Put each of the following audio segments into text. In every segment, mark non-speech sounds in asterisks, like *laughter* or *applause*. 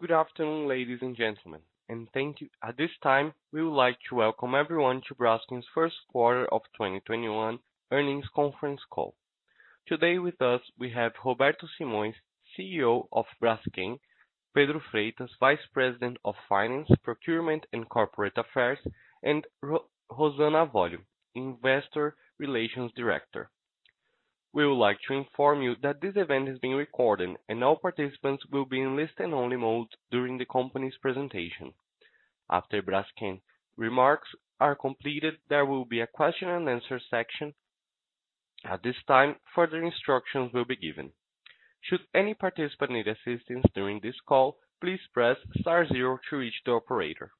Good afternoon, ladies and gentlemen. Thank you. At this time, we would like to welcome everyone to Braskem's first quarter of 2021 earnings conference call. Today with us, we have Roberto Simões, CEO of Braskem, Pedro Freitas, Vice President of Finance, Procurement, and Corporate Affairs, and Rosana Avolio, Investor Relations Director. We would like to inform you that this event is being recorded, and all participants will be in listen-only mode during the company's presentation. After Braskem remarks are completed, there will be a question and answer section. At this time, further instructions will be given. Should any participant need assistance during this call, please press star zero to reach the operator.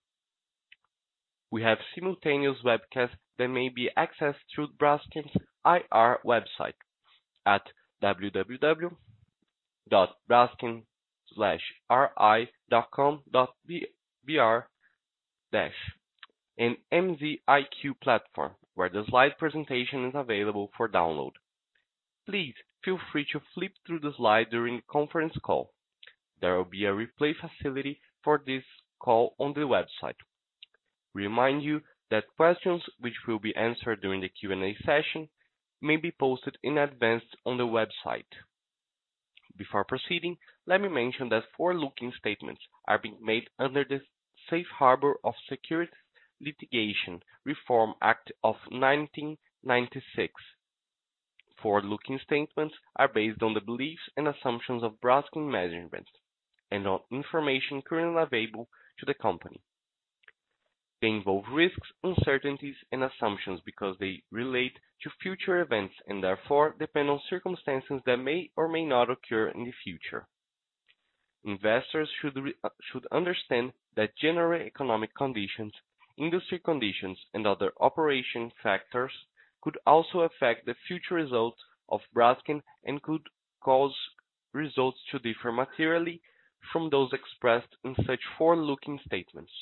We have simultaneous webcast that may be accessed through Braskem's IR website at www.braskem/ri.com.br/ and MZiQ platform, where the slide presentation is available for download. Please feel free to flip through the slide during the conference call. There will be a replay facility for this call on the website. Remind you that questions, which will be answered during the Q&A session, may be posted in advance on the website. Before proceeding, let me mention that forward-looking statements are being made under the Safe Harbor of Securities Litigation Reform Act of [1996]. Forward-looking statements are based on the beliefs and assumptions of Braskem management and on information currently available to the company. They involve risks, uncertainties, and assumptions because they relate to future events and therefore depend on circumstances that may or may not occur in the future. Investors should understand that general economic conditions, industry conditions, and other operation factors could also affect the future result of Braskem and could cause results to differ materially from those expressed in such forward-looking statements.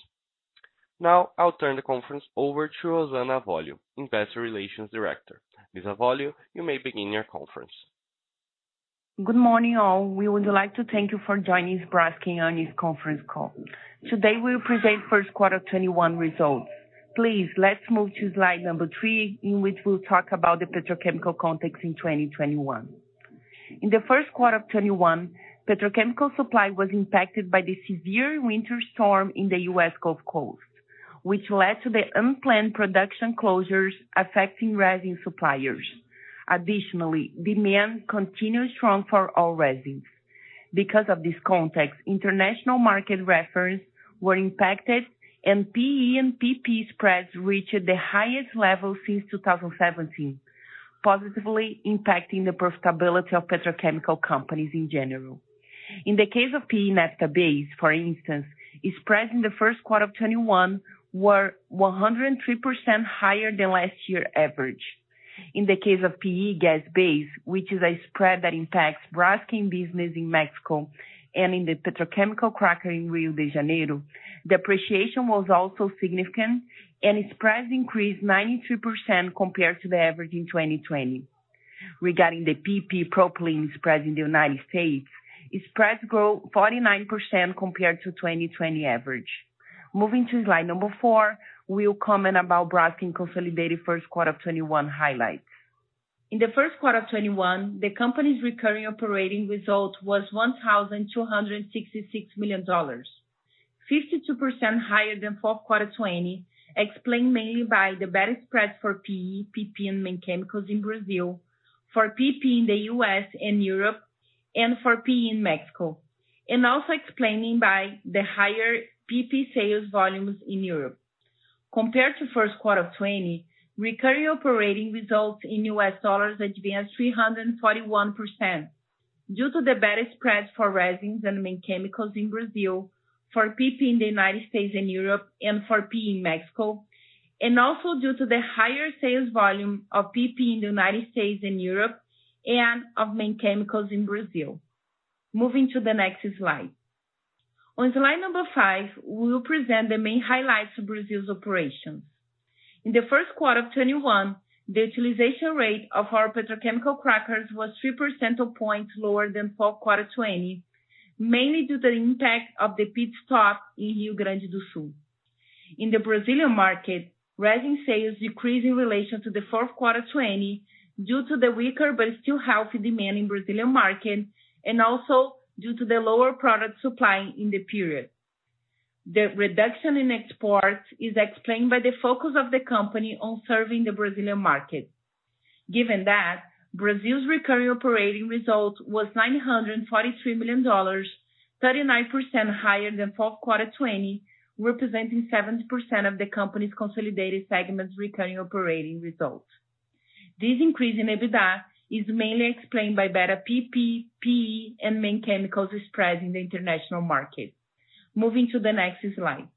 Now, I'll turn the conference over to Rosana Avolio, Investor Relations Director. Ms. Avolio, you may begin your conference. Good morning, all. We would like to thank you for joining Braskem earnings conference call. Today, we'll present first quarter 2021 results. Please, let's move to slide number three, in which we'll talk about the petrochemical context in 2021. In the first quarter of 2021, petrochemical supply was impacted by the severe winter storm in the U.S. Gulf Coast, which led to the unplanned production closures affecting resin suppliers. Additionally, demand continued strong for all resins. Of this context, international market reference were impacted and PE and PP spreads reached the highest level since 2017, positively impacting the profitability of petrochemical companies in general. In the case of PE naphtha-based, for instance, its spread in the first quarter of 2021 were 103% higher than last year average. In the case of PE Gas-based, which is a spread that impacts Braskem business in Mexico and in the petrochemical cracker in Rio de Janeiro, the appreciation was also significant, and its price increased 93% compared to the average in 2020. Regarding the PP propylene spread in the United States, its spread grow 49% compared to 2020 average. Moving to slide number four, we'll comment about Braskem consolidated first quarter 2021 highlights. In the first quarter 2021, the company's recurring operating result was BRL 1,266 million, 52% higher than fourth quarter 2020, explained mainly by the better spreads for PE, PP, and main chemicals in Brazil, for PP in the U.S. and Europe, and for PE in Mexico. Also explaining by the higher PP sales volumes in Europe. Compared to first quarter 2020, recurring operating results in US dollars advanced 341% due to the better spreads for resins and main chemicals in Brazil, for PP in the United States and Europe, and for PE in Mexico, and also due to the higher sales volume of PP in the United States and Europe, and of main chemicals in Brazil. Moving to the next slide. On slide number five, we will present the main highlights of Brazil's operations. In the first quarter of 2021, the utilization rate of our petrochemical crackers was 3 percentile points lower than fourth quarter 2020, mainly due to the impact of the pit stop in Rio Grande do Sul. In the Brazilian market, resin sales decreased in relation to the fourth quarter 2020 due to the weaker but still healthy demand in Brazilian market, and also due to the lower product supply in the period. The reduction in exports is explained by the focus of the company on serving the Brazilian market. Given that, Brazil's recurring operating result was BRL 943 million, 39% higher than fourth quarter 2020, representing 70% of the company's consolidated segment's recurring operating result. This increase in EBITDA is mainly explained by better PP, PE, and main chemicals spread in the international market. Moving to the next slide.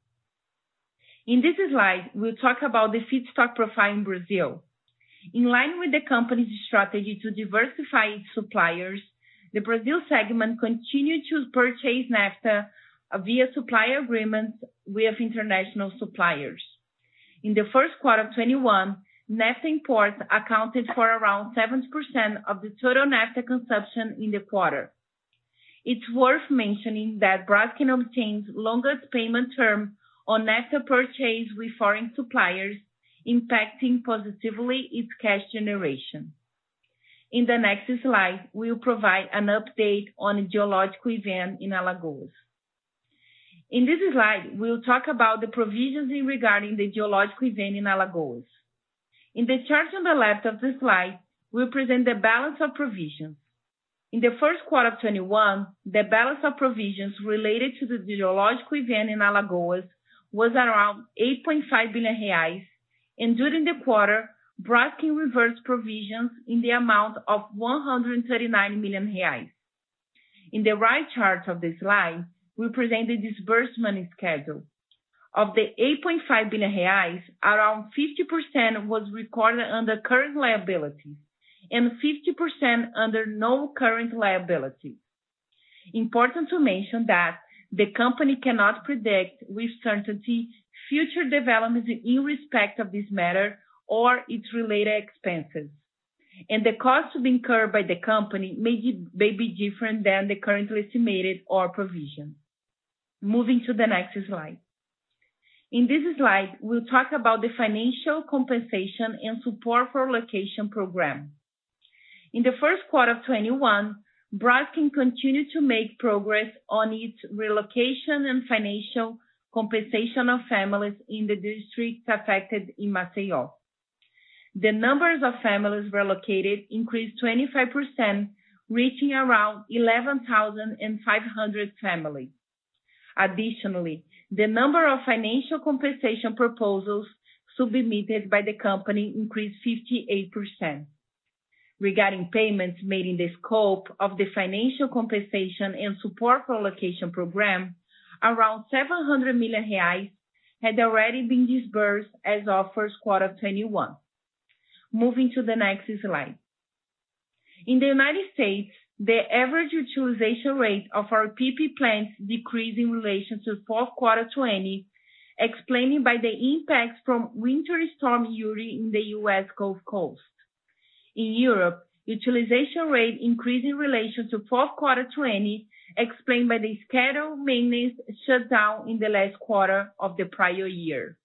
In this slide, we'll talk about the feedstock profile in Brazil. In line with the company's strategy to diversify its suppliers, the Brazil segment continued to purchase naphtha via supplier agreements with international suppliers. In the first quarter of 2021, naphtha imports accounted for around 7% of the total naphtha consumption in the quarter. It's worth mentioning that Braskem obtains longer payment term on naphtha purchase with foreign suppliers, impacting positively its cash generation. In the next slide, we will provide an update on a geological event in Alagoas. In this slide, we will talk about the provisions regarding the geological event in Alagoas. In the chart on the left of the slide, we present the balance of provisions. In the first quarter of 2021, the balance of provisions related to the geological event in Alagoas was around 8.5 billion reais, and during the quarter, Braskem reversed provisions in the amount of 139 million reais. In the right chart of the slide, we present the disbursement schedule. Of the 8.5 billion reais, around 50% was recorded under current liabilities and 50% under noncurrent liability.. Important to mention that the company cannot predict with certainty future developments in respect of this matter or its related expenses. The cost to be incurred by the company may be different than the currently estimated or provisioned. Moving to the next slide. In this slide, we'll talk about the financial compensation and support for relocation program. In the first quarter of 2021, Braskem continued to make progress on its relocation and financial compensation of families in the districts affected in Maceió. The numbers of families relocated increased 25%, reaching around 11,500 families. Additionally, the number of financial compensation proposals to be submitted by the company increased 58%. Regarding payments made in the scope of the financial compensation and support relocation program, around 700 million reais had already been disbursed as of first quarter 2021. Moving to the next slide. In the United States, the average utilization rate of our PP plants decreased in relation to fourth quarter 2020, explained by the impact from Winter Storm Uri in the U.S. Gulf Coast. In Europe, utilization rate increased in relation to fourth quarter 2020, explained by the scheduled maintenance shutdown in the last quarter of the prior year.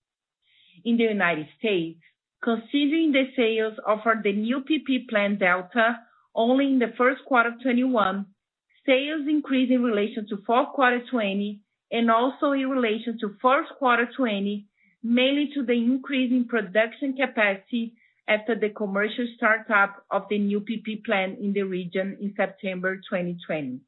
In the United States, considering the sales of our new PP plant Delta only in the first quarter 2021, sales increased in relation to fourth quarter 2020, and also in relation to first quarter 2020, mainly to the increase in production capacity after the commercial startup of the new PP plant in the region in September 2020.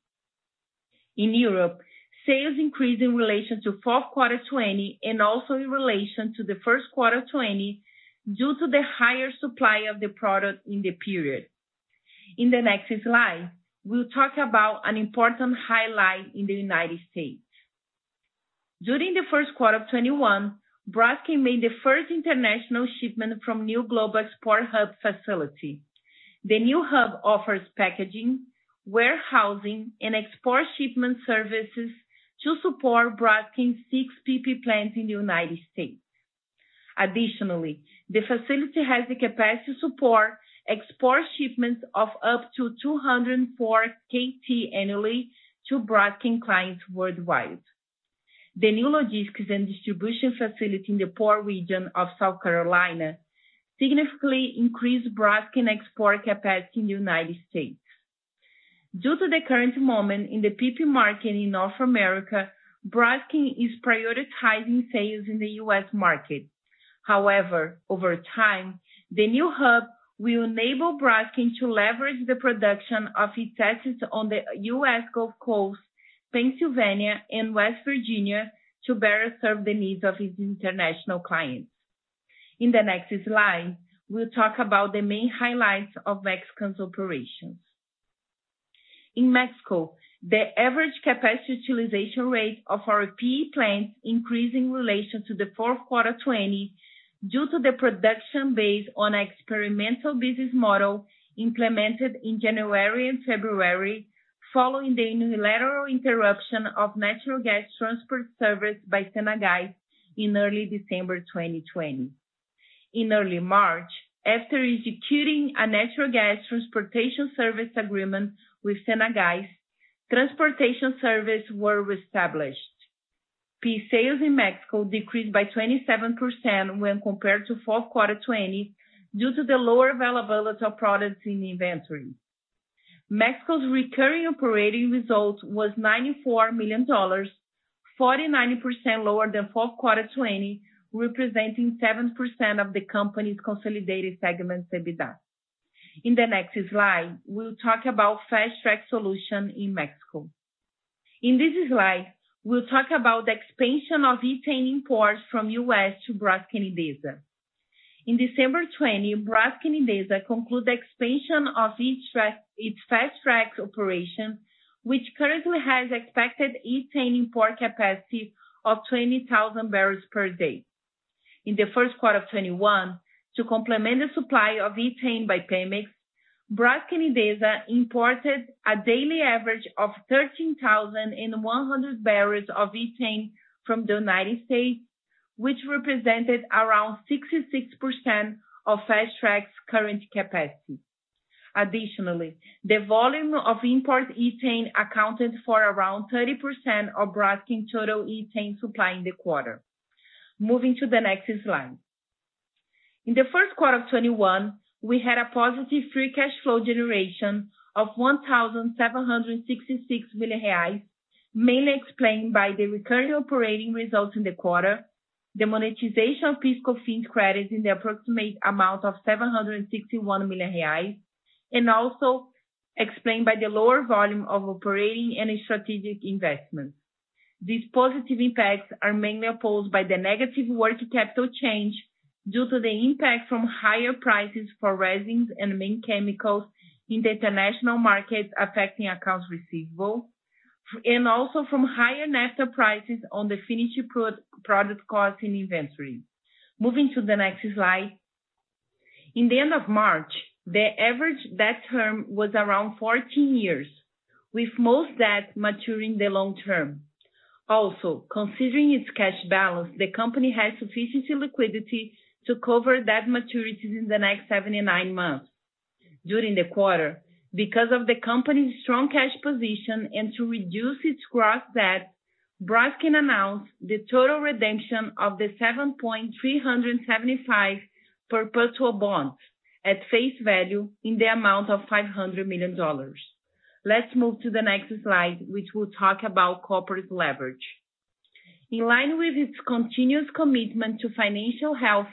In Europe, sales increased in relation to fourth quarter 2020, and also in relation to the first quarter 2020, due to the higher supply of the product in the period. In the next slide, we'll talk about an important highlight in the United States. During the first quarter of 2021, Braskem made the first international shipment from new global export hub facility. The new hub offers packaging, warehousing, and export shipment services to support Braskem's six PP plants in the U.S. Additionally, the facility has the capacity to support export shipments of up to 204 KT annually to Braskem clients worldwide. The new logistics and distribution facility in the port region of South Carolina significantly increased Braskem export capacity in the U.S. Due to the current moment in the PP market in North America, Braskem is prioritizing sales in the U.S. market. However, over time, the new hub will enable Braskem to leverage the production of its assets on the U.S. Gulf Coast, Pennsylvania, and West Virginia to better serve the needs of its international clients. In the next slide, we'll talk about the main highlights of Mexico's operations. In Mexico, the average capacity utilization rate of our PE plants increased in relation to the fourth quarter 2020 due to the production based on experimental business model implemented in January and February, following the unilateral interruption of natural gas transport service by CENAGAS in early December 2020. In early March, after executing a natural gas transportation service agreement with CENAGAS, transportation service were reestablished. PE sales in Mexico decreased by 27% when compared to fourth quarter 2020 due to the lower availability of products in inventory. Mexico's recurring operating results was $94 million, 49% lower than fourth quarter 2020, representing 7% of the company's consolidated segment's EBITDA. In the next slide, we will talk about Fast Track solution in Mexico. In this slide, we'll talk about the expansion of ethane imports from U.S. to Braskem Idesa. In December 2020, Braskem Idesa concluded the expansion of its Fast Track operation, which currently has expected ethane import capacity of 20,000 bpd. In the first quarter 2021, to complement the supply of ethane by PEMEX, Braskem Idesa imported a daily average of 13,100 bbl of ethane from the United States, which represented around 66% of Fast Track's current capacity. Additionally, the volume of import ethane accounted for around 30% of Braskem's total ethane supply in the quarter. Moving to the next slide. In the first quarter of 2021, we had a positive free cash flow generation of 1,766 million reais, mainly explained by the recurring operating results in the quarter, the monetization of fiscal tax credits in the approximate amount of 761 million reais, and also explained by the lower volume of operating and strategic investments. These positive impacts are mainly opposed by the negative working capital change due to the impact from higher prices for resins and main chemicals in the international market affecting accounts receivable, and also from higher naphtha prices on the finished product cost in inventory. Moving to the next slide. In the end of March, the average debt term was around 14 years, with most debt maturing the long term. Also, considering its cash balance, the company had sufficient liquidity to cover debt maturities in the next 79 months. During the quarter, because of the company's strong cash position and to reduce its gross debt, Braskem announced the total redemption of the 7.375 perpetual bonds at face value in the amount of $500 million. Let's move to the next slide, which will talk about corporate leverage. In line with its continuous commitment to financial health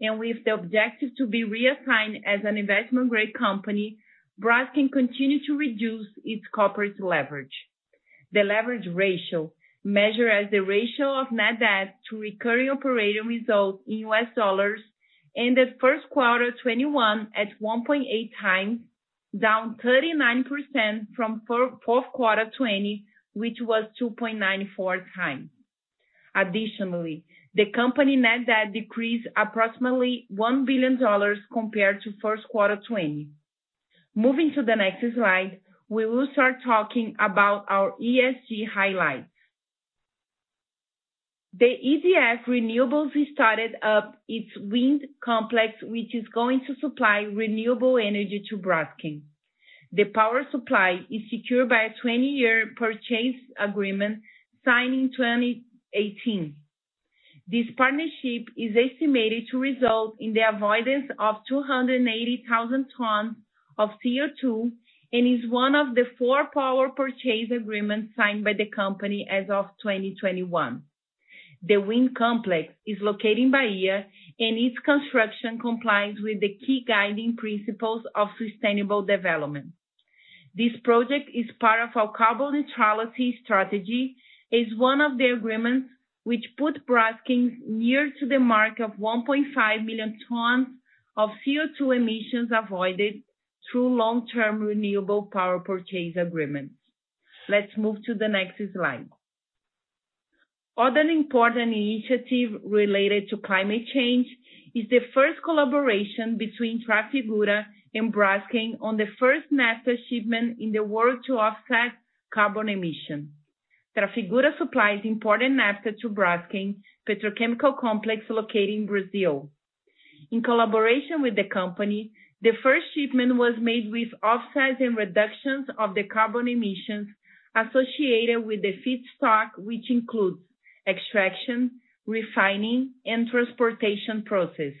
and with the objective to be reassigned as an investment-grade company, Braskem continued to reduce its corporate leverage. The leverage ratio, measured as the ratio of net debt-to-recurring operating results in US dollars, ended first quarter 2021 at 1.8x, down 39% from fourth quarter 2020, which was 2.94x. The company net debt decreased approximately $1 billion compared to first quarter 2020. Moving to the next slide, we will start talking about our ESG highlights. The EDF Renewables started up its wind complex, which is going to supply renewable energy to Braskem. The power supply is secured by a 20-year purchase agreement signed in 2018. This partnership is estimated to result in the avoidance of 280,000 tons of CO2, is one of the four power purchase agreements signed by the company as of 2021. The wind complex is located in Bahia, and its construction complies with the key guiding principles of sustainable development. This project is part of our carbon neutrality strategy as one of the agreements which put Braskem near to the mark of 1.5 million tons of CO2 emissions avoided through long-term renewable power purchase agreements. Let's move to the next slide. Other important initiative related to climate change is the first collaboration between Trafigura and Braskem on the first naphtha shipment in the world to offset carbon emission. Trafigura supplies important naphtha to Braskem petrochemical complex located in Brazil. In collaboration with the company, the first shipment was made with offsets and reductions of the carbon emissions associated with the feedstock, which includes extraction, refining, and transportation process.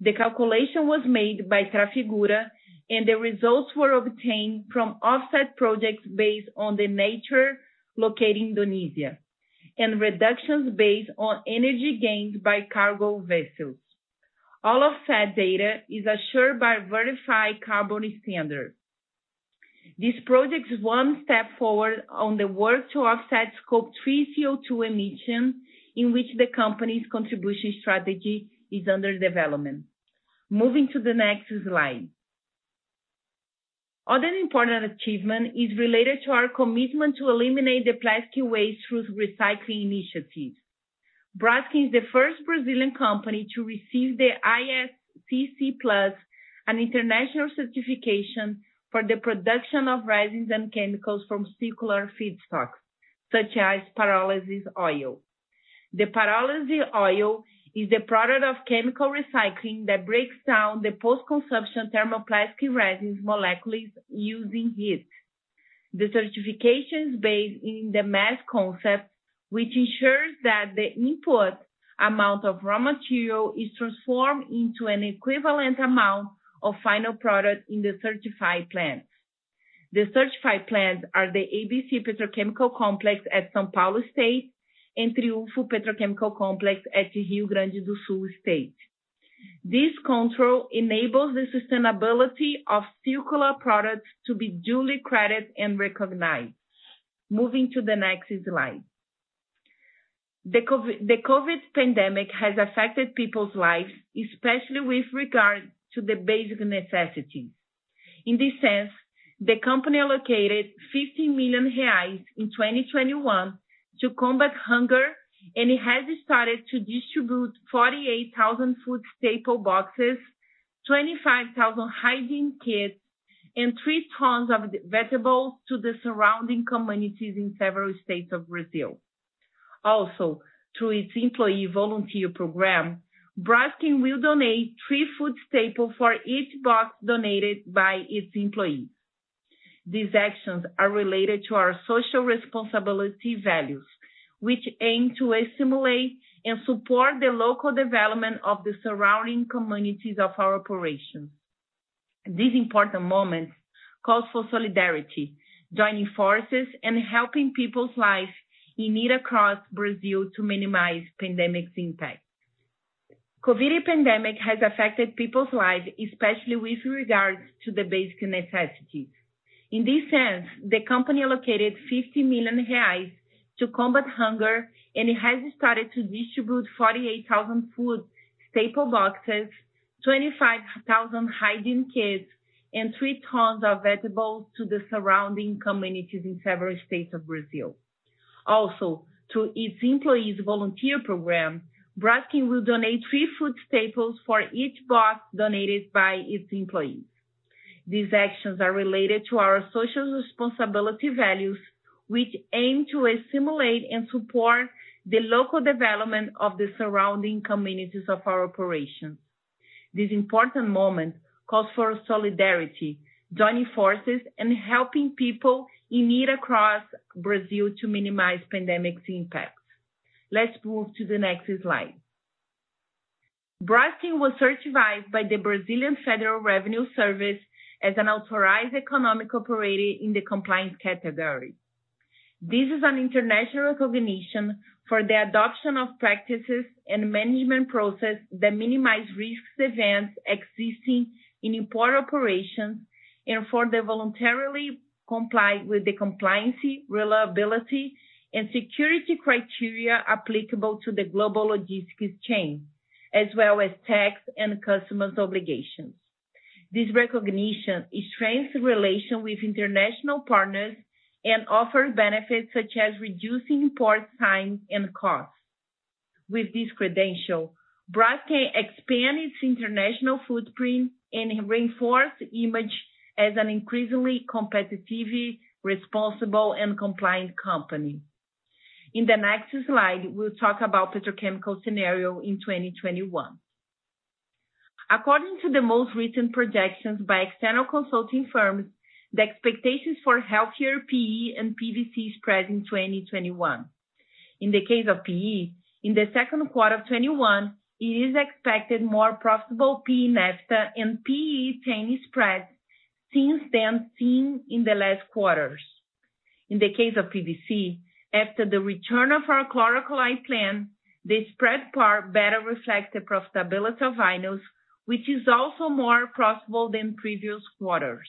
The calculation was made by Trafigura, and the results were obtained from offset projects based on the nature located in Tunisia, and reductions based on energy gained by cargo vessels. All offset data is assured by Verified Carbon Standard. This project is one step forward on the work to offset Scope 3 CO2 emission, in which the company's contribution strategy is under development. Moving to the next slide. Other important achievement is related to our commitment to eliminate the plastic waste through recycling initiatives. Braskem is the first Brazilian company to receive the ISCC PLUS, an international certification for the production of resins and chemicals from circular feedstocks, such as pyrolysis oil. The pyrolysis oil is a product of chemical recycling that breaks down the post-consumption thermoplastic resin's molecules using heat. The certification is based in the mass balance concept, which ensures that the input amount of raw material is transformed into an equivalent amount of final product in the certified plants. The certified plants are the ABC Petrochemical Complex at São Paulo State, and Triunfo Petrochemical Complex at Rio Grande do Sul State. This control enables the sustainability of circular products to be duly credited and recognized. Moving to the next slide. The COVID pandemic has affected people's lives, especially with regard to the basic necessities. In this sense The company allocated 50 million reais in 2021 to combat hunger, and it has started to distribute 48,000 food staple boxes, 25,000 hygiene kits, and three tons of vegetables to the surrounding communities in several states of Brazil. Also, through its employee volunteer program, Braskem will donate three food staple for each box donated by its employees. These actions are related to our social responsibility values, which aim to assimilate and support the local development of the surrounding communities of our operations. These important moments call for solidarity, joining forces, and helping people's lives in need across Brazil to minimize pandemic's impact. COVID pandemic has affected people's lives, especially with regards to the basic necessities. In this sense, the company allocated 50 million reais to combat hunger, and it has started to distribute 48,000 food staple boxes, 25,000 hygiene kits, and three tons of vegetables to the surrounding communities in several states of Brazil. Also, through its employees volunteer program, Braskem will donate three food staples for each box donated by its employees. These actions are related to our social responsibility values, which aim to assimilate and support the local development of the surrounding communities of our operations. This important moment calls for solidarity, joining forces, and helping people in need across Brazil to minimize pandemic's impacts. Let's move to the next slide. Braskem was certified by the Brazilian Federal Revenue Service as an authorized economic operator in the compliance category. This is an international recognition for the adoption of practices and management process that minimize risks events existing in import operations, and for the voluntarily comply with the compliancy, reliability, and security criteria applicable to the global logistics chain, as well as tax and customs obligations. This recognition strengths the relation with international partners and offers benefits such as reducing port time and cost. With this credential, Braskem expand its international footprint and reinforce image as an increasingly competitive, responsible, and compliant company. In the next slide, we'll talk about petrochemical scenario in 2021. According to the most recent projections by external consulting firms, the expectations for healthier PE and PVC spread in 2021. In the case of PE, in the second quarter of 2021, it is expected more profitable PE naphtha and PE chain spread since then seen in the last quarters. In the case of PVC, after the return of our chlor-alkali plant, this spread part better reflect the profitability of vinyls, which is also more profitable than previous quarters.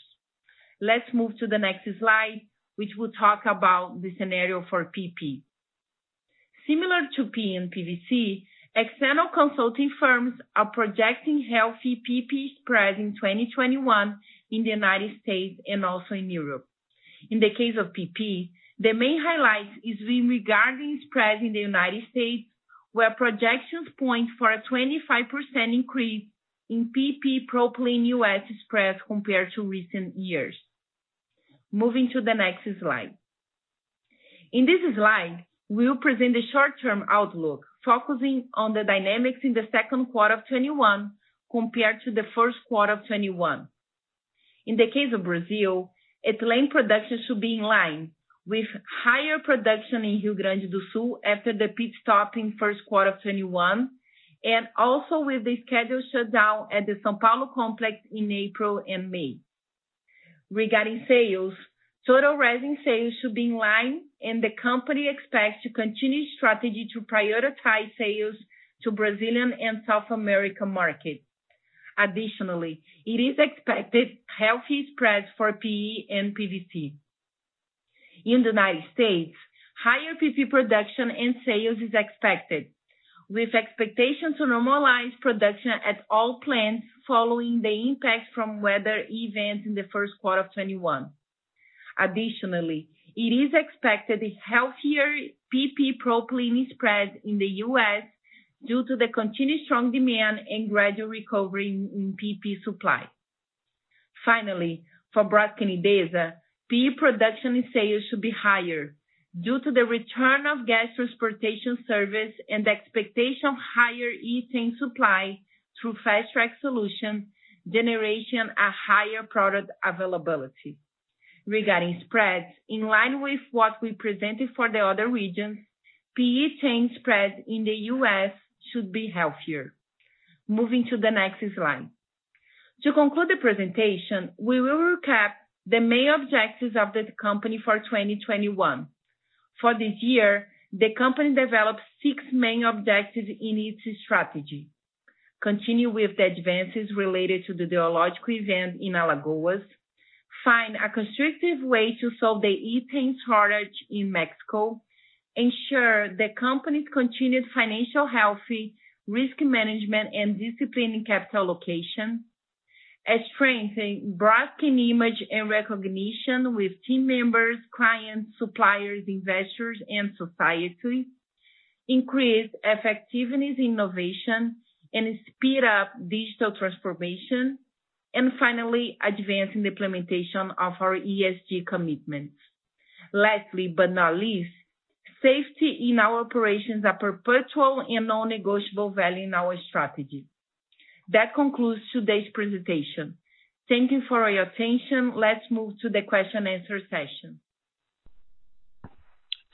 Let's move to the next slide, which will talk about the scenario for PP. Similar to PE and PVC, external consulting firms are projecting healthy PP spread in 2021 in the U.S. and also in Europe. In the case of PP, the main highlight is regarding spread in the U.S., where projections point for a 25% increase in PP propylene U.S. spread compared to recent years. Moving to the next slide. In this slide, we will present the short-term outlook focusing on the dynamics in the second quarter of 2021 compared to the first quarter of 2021. In the case of Brazil, ethylene production should be in line with higher production in Rio Grande do Sul after the pit stop in first quarter 2021, and also with the scheduled shutdown at the São Paulo complex in April and May. Regarding sales, total resin sales should be in line, and the company expects to continue strategy to prioritize sales to Brazilian and South American markets. Additionally, it is expected healthy spread for PE and PVC. In the United States, higher PP production and sales is expected, with expectations to normalize production at all plants following the impact from weather events in the first quarter of 2021. Additionally, it is expected a healthier PP propylene spread in the U.S. due to the continued strong demand and gradual recovery in PP supply. Finally, for Braskem Idesa, PE production and sales should be higher due to the return of gas transportation service and the expectation of higher ethane supply through Fast Track solution, generating a higher product availability. Regarding spreads, in line with what we presented for the other regions, PE chain spread in the U.S. should be healthier. Moving to the next slide. To conclude the presentation, we will recap the main objectives of the company for 2021. For this year, the company developed six main objectives in its strategy. Continue with the advances related to the geological event in Alagoas. Find a constructive way to solve the ethane shortage in Mexico. Ensure the company's continued financial health, risk management, and discipline in capital allocation. Strengthening Braskem image and recognition with team members, clients, suppliers, investors, and society. Increase effectiveness, innovation, and speed up digital transformation. Finally, advancing the implementation of our ESG commitments. Lastly, but not least, safety in our operations a perpetual and non-negotiable value in our strategy. That concludes today's presentation. Thank you for your attention. Let's move to the question-and- answer session.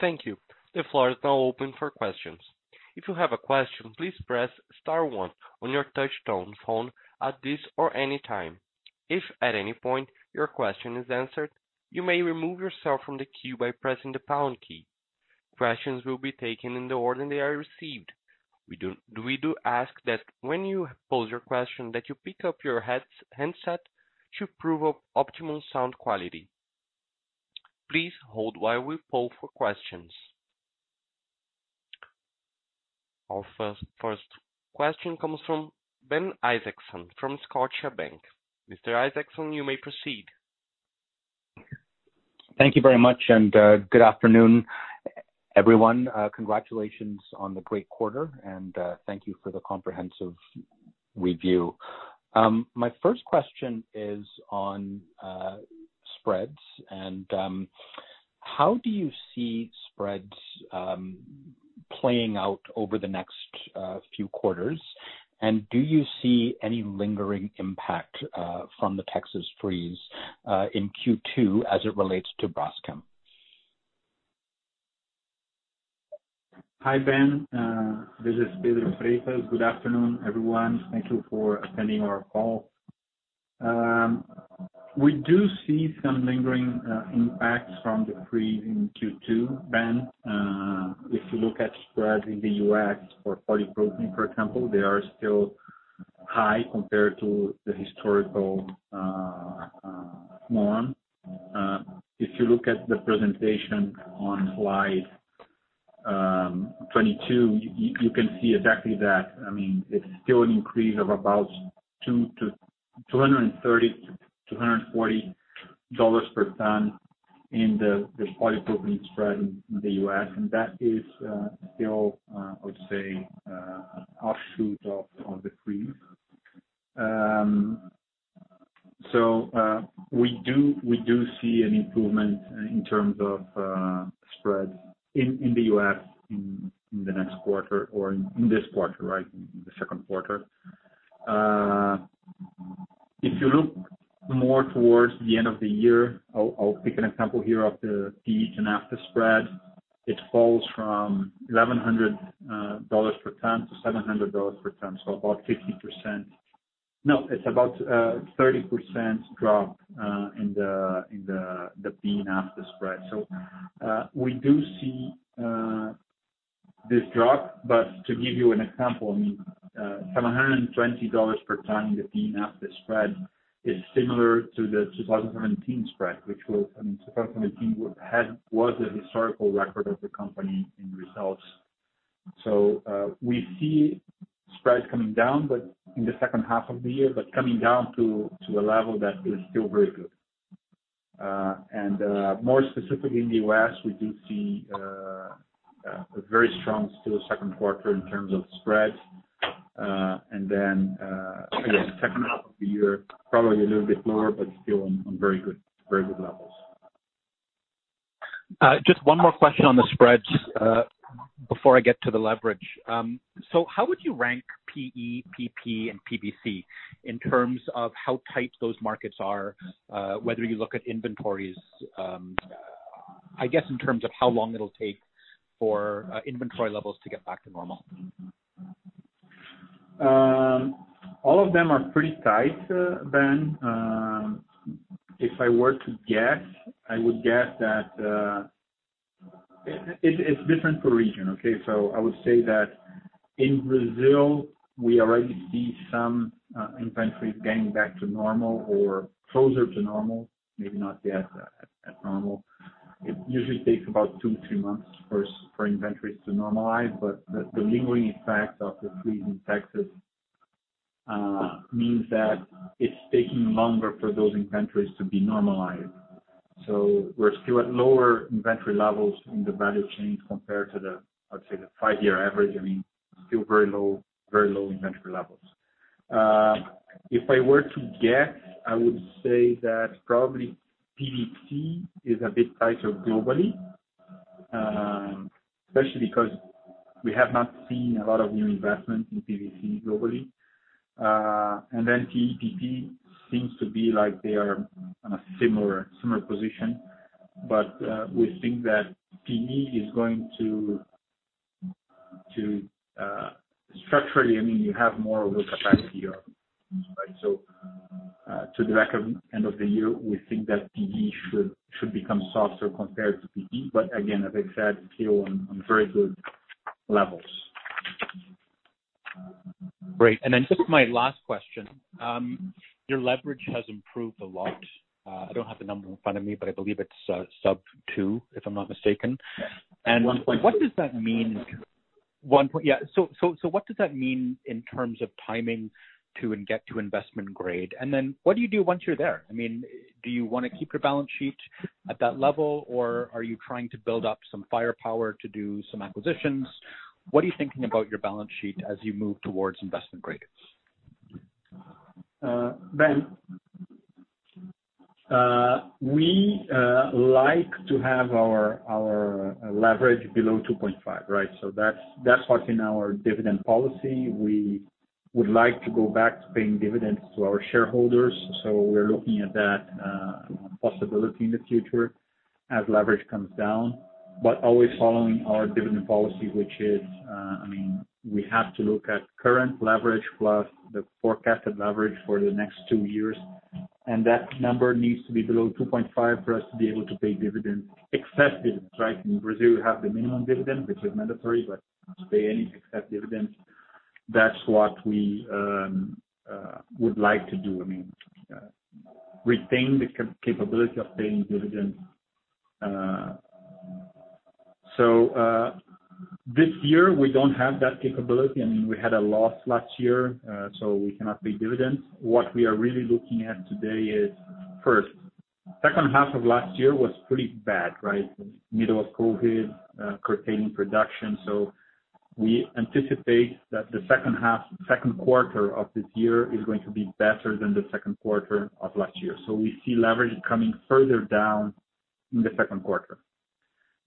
Thank you. The floor is now open for questions. If you have a question, please press star one on your touch-tone phone at this or any time. If at any point your question is answered, you may remove yourself from the queue by pressing the pound key. Questions will be taken in the order they are received. We do ask that when you pose your question, that you pick up your handset to prove optimum sound quality. Please hold while we poll for questions. Our first question comes from Ben Isaacson, from Scotiabank. Mr. Isaacson, you may proceed. Thank you very much, and good afternoon, everyone. Congratulations on the great quarter and thank you for the comprehensive review. My first question is on spreads. How do you see spreads playing out over the next few quarters, and do you see any lingering impact from the Texas freeze in Q2 as it relates to Braskem? Hi, Ben. This is Pedro Freitas. Good afternoon, everyone. Thank you for attending our call. We do see some lingering impacts from the freeze in Q2, Ben. If you look at spreads in the U.S. for polypropylene, for example, they are still high compared to the historical norm. If you look at the presentation on slide 22, you can see exactly that. It's still an increase of about $230-$240 per ton in the polypropylene spread in the U.S., and that is still, I would say, an offshoot of the freeze. We do see an improvement in terms of spreads in the U.S. in the next quarter or in this quarter, right? In the second quarter. If you look more towards the end of the year, I'll pick an example here of the PE to Naphtha spread. It falls from $1,100 per ton to $ 700 per ton, so about 50%. No, it's about 30% drop in the PE to Naphtha spread. We do see this drop, but to give you an example. $720 per ton in the PE to Naphtha spread is similar to the 2017 spread. Which, 2017 was a historical record of the company in results. We see spreads coming down in the second half of the year, but coming down to a level that is still very good. More specifically in the U.S., we do see a very strong still second quarter in terms of spreads. Again, second half of the year, probably a little bit lower, but still on very good levels. Just one more question on the spreads before I get to the leverage. How would you rank PE, PP, and PVC in terms of how tight those markets are? Whether you look at inventories, I guess in terms of how long it'll take for inventory levels to get back to normal. All of them are pretty tight, Ben. If I were to guess, I would guess that it's different per region, okay? I would say that in Brazil, we already see some inventories getting back to normal or closer to normal, maybe not yet at normal. It usually takes about two to three months first for inventories to normalize. The lingering effect of the freeze in Texas means that it's taking longer for those inventories to be normalized. We're still at lower inventory levels in the value chain compared to the, I would say, the five-year average. Still very low inventory levels. If I were to guess, I would say that probably PVC is a bit tighter globally. Especially because we have not seen a lot of new investment in PVC globally. Then PE, PP seems to be like they are on a similar position. we think that PE is going to structurally, you have more capacity in Europe, right? To the back end of the year, we think that PE should become softer compared to PP. But again, as I said, still on very good levels. Great. just my last question. Your leverage has improved a lot. I don't have the number in front of me, but I believe it's sub two, if I'm not mistaken. Yeah. And what does that mean? One point, yeah. So what does that mean in terms of timing to get to investment grade? And then what do you do once you're there? Do you want to keep your balance sheet at that level, or are you trying to build up some firepower to do some acquisitions? What are you thinking about your balance sheet as you move towards investment grade? Ben, we like to have our leverage below 2.5x right? That's what's in our dividend policy. We would like to go back to paying dividends to our shareholders. We're looking at that possibility in the future as leverage comes down, but always following our dividend policy, which is we have to look at current leverage plus the forecasted leverage for the next two years. That number needs to be below 2.5x for us to be able to pay dividends, excess dividends, right? In Brazil, we have the minimum dividend, which is mandatory, but to pay any excess dividends, that's what we would like to do. I mean, retain the capability of paying dividends. This year, we don't have that capability. We had a loss last year, so we cannot pay dividends. What we are really looking at today is, first, second half of last year was pretty bad, right? Middle of COVID, curtailing production. We anticipate that the second quarter of this year is going to be better than the second quarter of last year. We see leverage coming further down in the second quarter.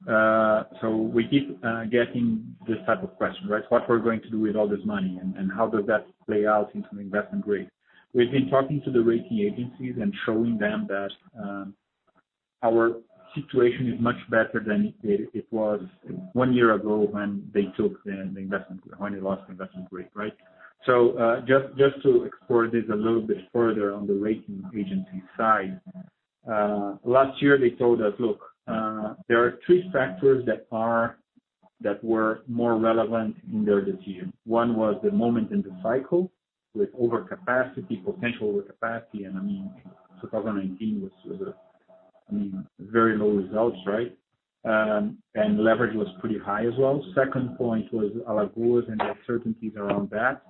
We keep getting this type of question, right? What we're going to do with all this money and how does that play out into investment grade. We've been talking to the rating agencies and showing them that our situation is much better than it was one year ago when they took the investment, when we lost investment grade, right? Just to explore this a little bit further on the rating agency side. Last year, they told us, look, there are three factors that were more relevant in their decision. One was the moment in the cycle with overcapacity, potential overcapacity. 2019 was very low results, right? Leverage was pretty high as well. Second point was Alagoas and the uncertainties around that.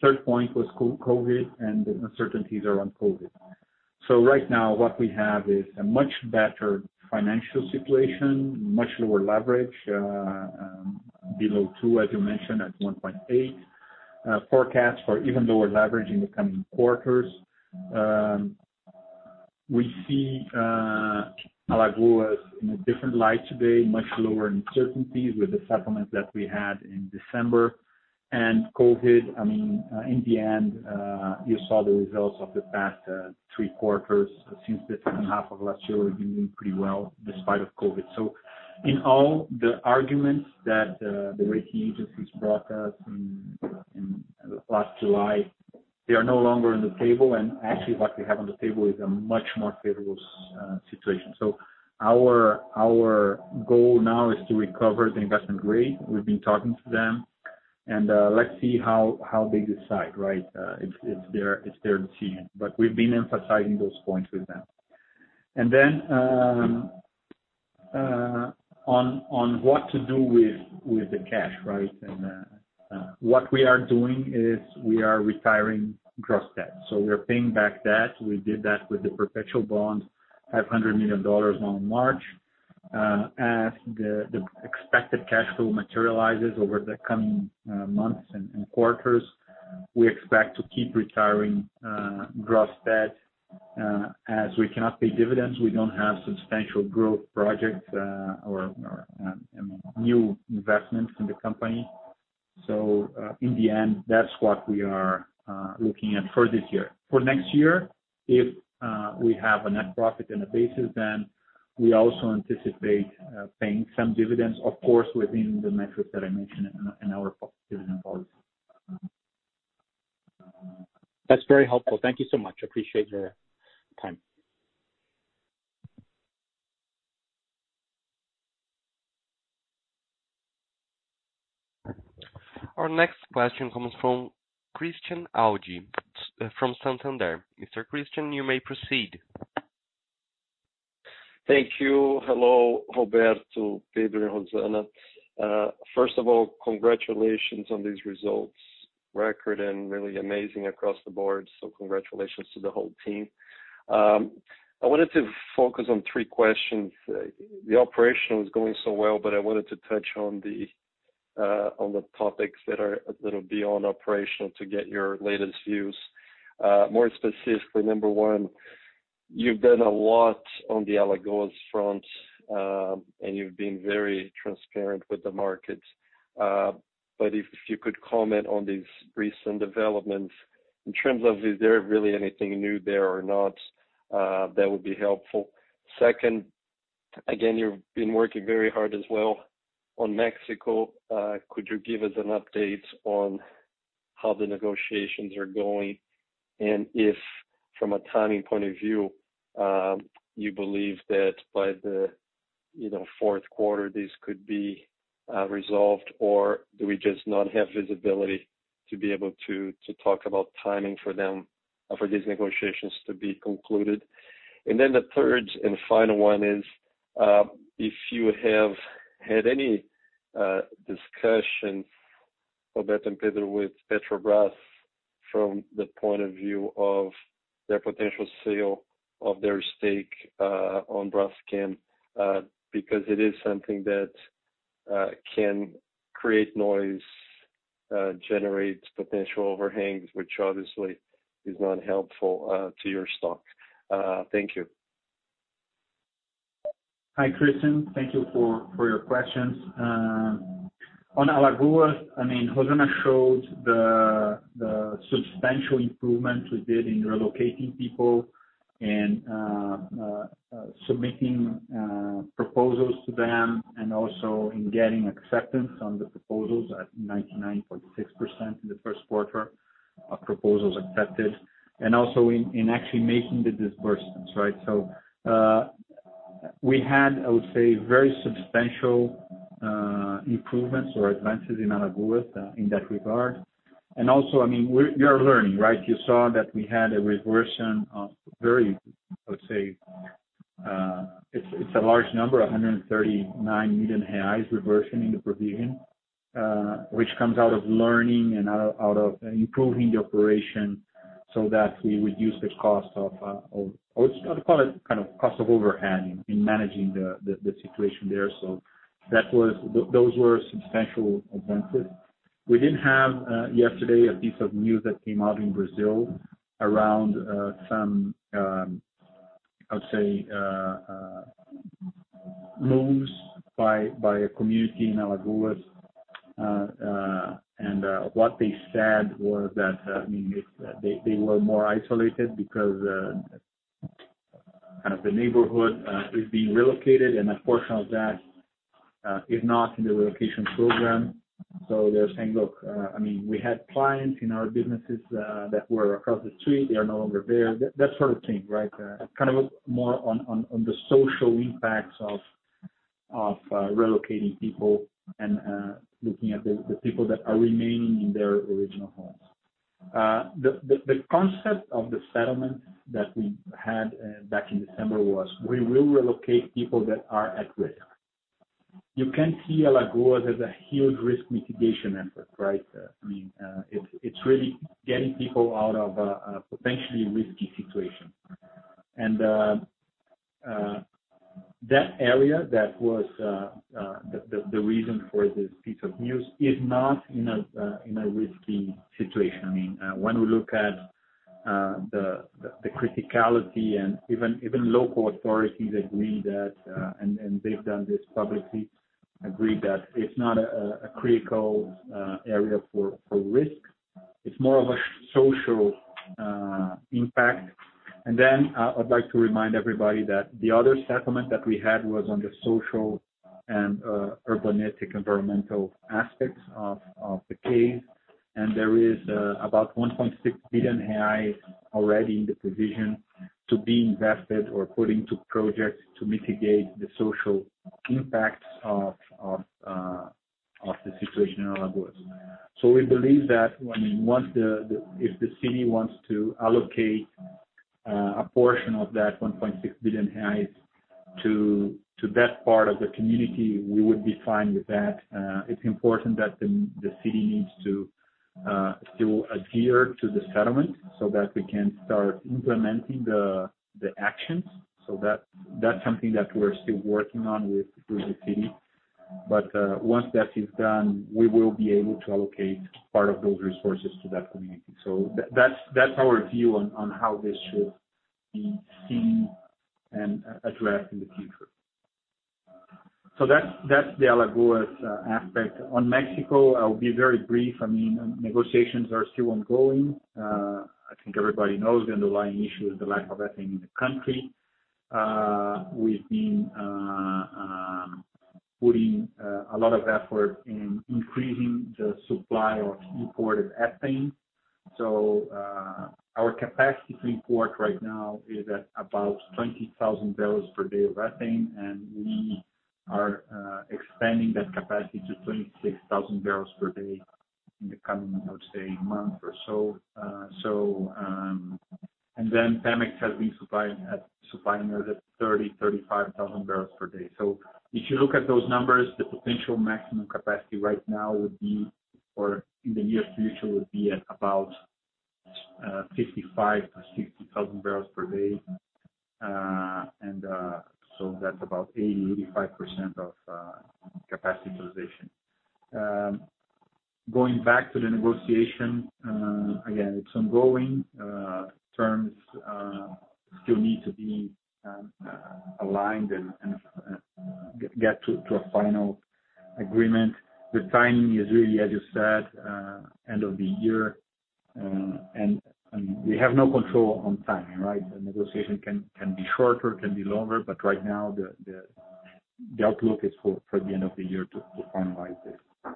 Third point was COVID and the uncertainties around COVID. Right now, what we have is a much better financial situation, much lower leverage, below 2x, as you mentioned, at 1.8x. Forecast for even lower leverage in the coming quarters. We see Alagoas in a different light today, much lower uncertainties with the settlement that we had in December. COVID, in the end, you saw the results of the past three quarters since the second half of last year, we've been doing pretty well despite of COVID. In all the arguments that the rating agencies brought us in last July, they are no longer on the table, and actually what we have on the table is a much more favorable situation. Our goal now is to recover the investment grade. We've been talking to them, and let's see how they decide, right? It's their decision, but we've been emphasizing those points with them. On what to do with the cash, right? What we are doing is we are retiring gross debt. We are paying back debt. We did that with the perpetual bond, $500 million on March. As the expected cash flow materializes over the coming months and quarters, we expect to keep retiring gross debt. As we cannot pay dividends, we don't have substantial growth projects or new investments in the company. In the end, that's what we are looking at for this year. For next year, if we have a net profit on the basis, then we also anticipate paying some dividends, of course, within the metrics that I mentioned in our dividend policy. That's very helpful. Thank you so much. Appreciate the time. Our next question comes from Christian Audi, from Santander. Mr. Christian, you may proceed. Thank you. Hello, Roberto, Pedro, Rosana. First of all, congratulations on these results. Record and really amazing across the board, so congratulations to the whole team. I wanted to focus on three questions. The operational is going so well, but I wanted to touch on the topics that are little beyond operational to get your latest views. More specifically, number one, you've done a lot on the Alagoas front, and you've been very transparent with the market. If you could comment on these recent developments in terms of, is there really anything new there or not? That would be helpful. Second, again, you've been working very hard as well on Mexico. Could you give us an update on how the negotiations are going? if, from a timing point of view, you believe that by the fourth quarter, this could be resolved, or do we just not have visibility to be able to talk about timing for these negotiations to be concluded? the third and final one is, if you have had any discussions, Roberto and Pedro, with Petrobras from the point of view of their potential sale of their stake on Braskem, because it is something that can create noise, generate potential overhangs, which obviously is not helpful to your stock. Thank you. Hi, Christian. Thank you for your questions. On Alagoas, Rosana showed the substantial improvement we did in relocating people and submitting proposals to them and also in getting acceptance on the proposals at 99.6% in the first quarter of proposals accepted, and also in actually making the disbursements. We had, I would say, very substantial improvements or advances in Alagoas in that regard. We are learning. You saw that we had a reversion of very, I would say, it's a large number, 139 million reais reversion in the provision, which comes out of learning and out of improving the operation so that we reduce the cost of, I would call it cost of overhanging in managing the situation there. Those were substantial advances. We did have, yesterday, a piece of news that came out in Brazil around some, I would say moves by a community in Alagoas. What they said was that they were more isolated because the neighborhood is being relocated and a portion of that is not in the relocation program. They're saying, look, we had clients in our businesses that were across the street. They are no longer there. That sort of thing. Kind of more on the social impacts of relocating people and looking at the people that are remaining in their original homes. The concept of the settlement that we had back in December was we will relocate people that are at risk. You can see Alagoas as a huge risk mitigation effort. It's really getting people out of a potentially risky situation. That area, that was the reason for this piece of news, is not in a risky situation. When we look at the criticality, and even local authorities agree that, and they've done this publicly, agree that it's not a critical area for risk. It's more of a social impact. I'd like to remind everybody that the other settlement that we had was on the social and urbanetic environmental aspects of the case. There is about 1.6 billion reais already in the provision to be invested or put into projects to mitigate the social impacts of the situation in Alagoas. We believe that if the city wants to allocate a portion of that 1.6 billion to that part of the community, we would be fine with that. It's important that the city needs to still adhere to the settlement so that we can start implementing the actions. That's something that we're still working on with the city. Once that is done, we will be able to allocate part of those resources to that community. That's our view on how this should be seen and addressed in the future. That's the Alagoas aspect. On Mexico, I'll be very brief. Negotiations are still ongoing. I think everybody knows the underlying issue is the lack of ethane in the country. We've been putting a lot of effort in increasing the supply of imported ethane. Our capacity to import right now is at about 20,000 bpd of ethane, and we are expanding that capacity to 26,000 bpd in the coming, I would say, month or so. PEMEX has been supplying us at 30,000-35,000 bpd. If you look at those numbers, the potential maximum capacity right now would be, or in the near future, would be at about 55,000-60,000 bpd. That's about 80%-85% of capacity utilization. Going back to the negotiation, again, it's ongoing. Terms still need to be aligned and get to a final agreement. The timing is really, as you said, end of the year. We have no control on timing. The negotiation can be shorter, can be longer, but right now the outlook is for the end of the year to finalize this.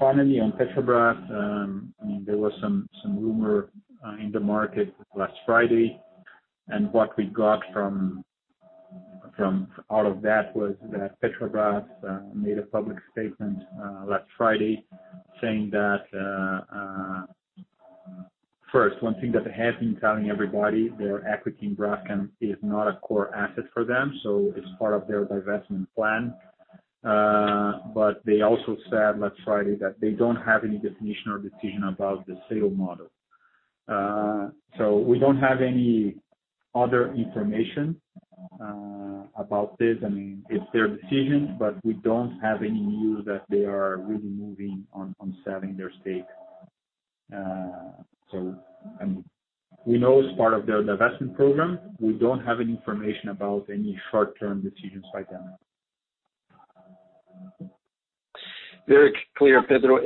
Finally, on Petrobras, there was some rumor in the market last Friday, and what we got from all of that was that Petrobras made a public statement last Friday saying that, first, one thing that they have been telling everybody, their equity in Braskem is not a core asset for them, so it's part of their divestment plan. They also said last Friday that they don't have any definition or decision about the sale model. We don't have any other information about this. It's their decision, but we don't have any news that they are really moving on selling their stake. We know it's part of their divestment program. We don't have any information about any short-term decisions by them. Very clear, Pedro.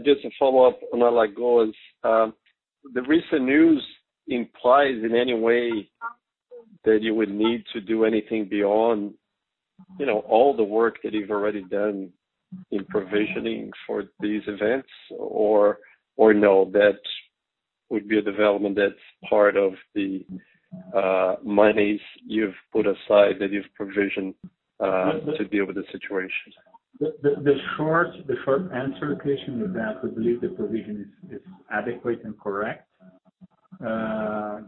Just to follow up on Alagoas. The recent news implies in any way that you would need to do anything beyond all the work that you've already done in provisioning for these events, or no, that would be a development that's part of the monies you've put aside, that you've provisioned to deal with the situation? The short answer, Christian, is that we believe the provision is adequate and correct,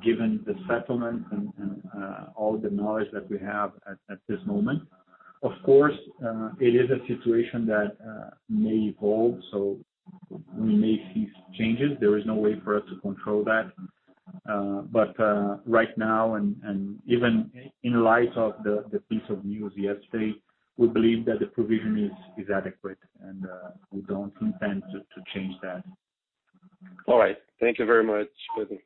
given the settlement and all the knowledge that we have at this moment. Of course, it is a situation that may evolve, so we may see changes. There is no way for us to control that. right now, and even in light of the piece of news yesterday, we believe that the provision is adequate, and we don't intend to change that. All right. Thank you very much, Pedro.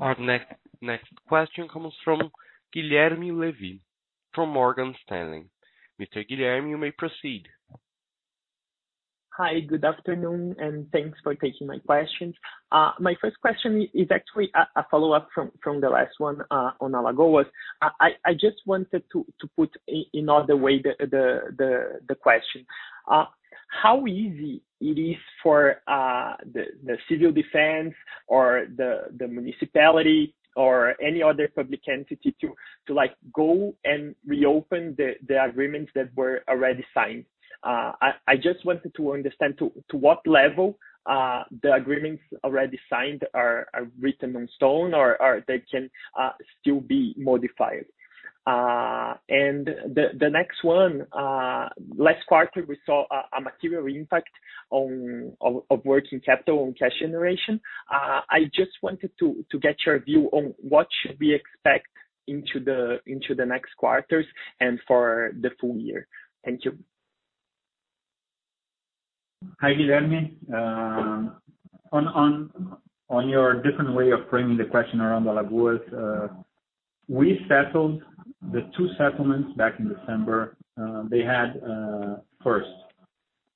Our next question comes from Guilherme Levy from Morgan Stanley. Mr. Guilherme, you may proceed. Hi, good afternoon, and thanks for taking my questions. My first question is actually a follow-up from the last one on Alagoas. I just wanted to put in other way the question. How easy it is for the civil defense or the municipality or any other public entity to go and reopen the agreements that were already signed? I just wanted to understand to what level the agreements already signed are written in stone, or they can still be modified. The next one. Last quarter, we saw a material impact of working capital on cash generation. I just wanted to get your view on what should we expect into the next quarters and for the full year. Thank you. Hi, Guilherme. On your different way of framing the question around Alagoas, we settled the two settlements back in December. First,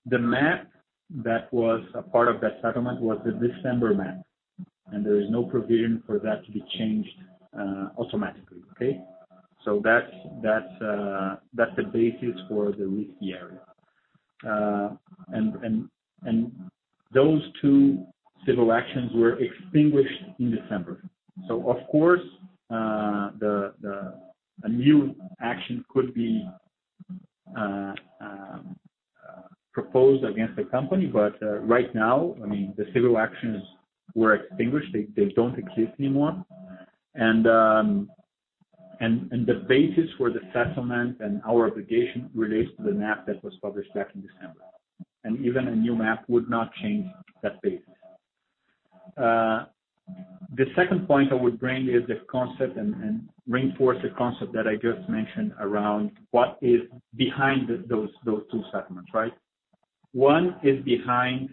the map that was a part of that settlement was the December map, and there is no provision for that to be changed automatically, okay? That's the basis for the risky area. Those two civil actions were extinguished in December. Of course, a new action could be proposed against the company. Right now, the civil actions were extinguished. They don't exist anymore. The basis for the settlement and our obligation relates to the map that was published back in December. Even a new map would not change that basis. The second point I would bring is the concept and reinforce the concept that I just mentioned around what is behind those two settlements, right? One is behind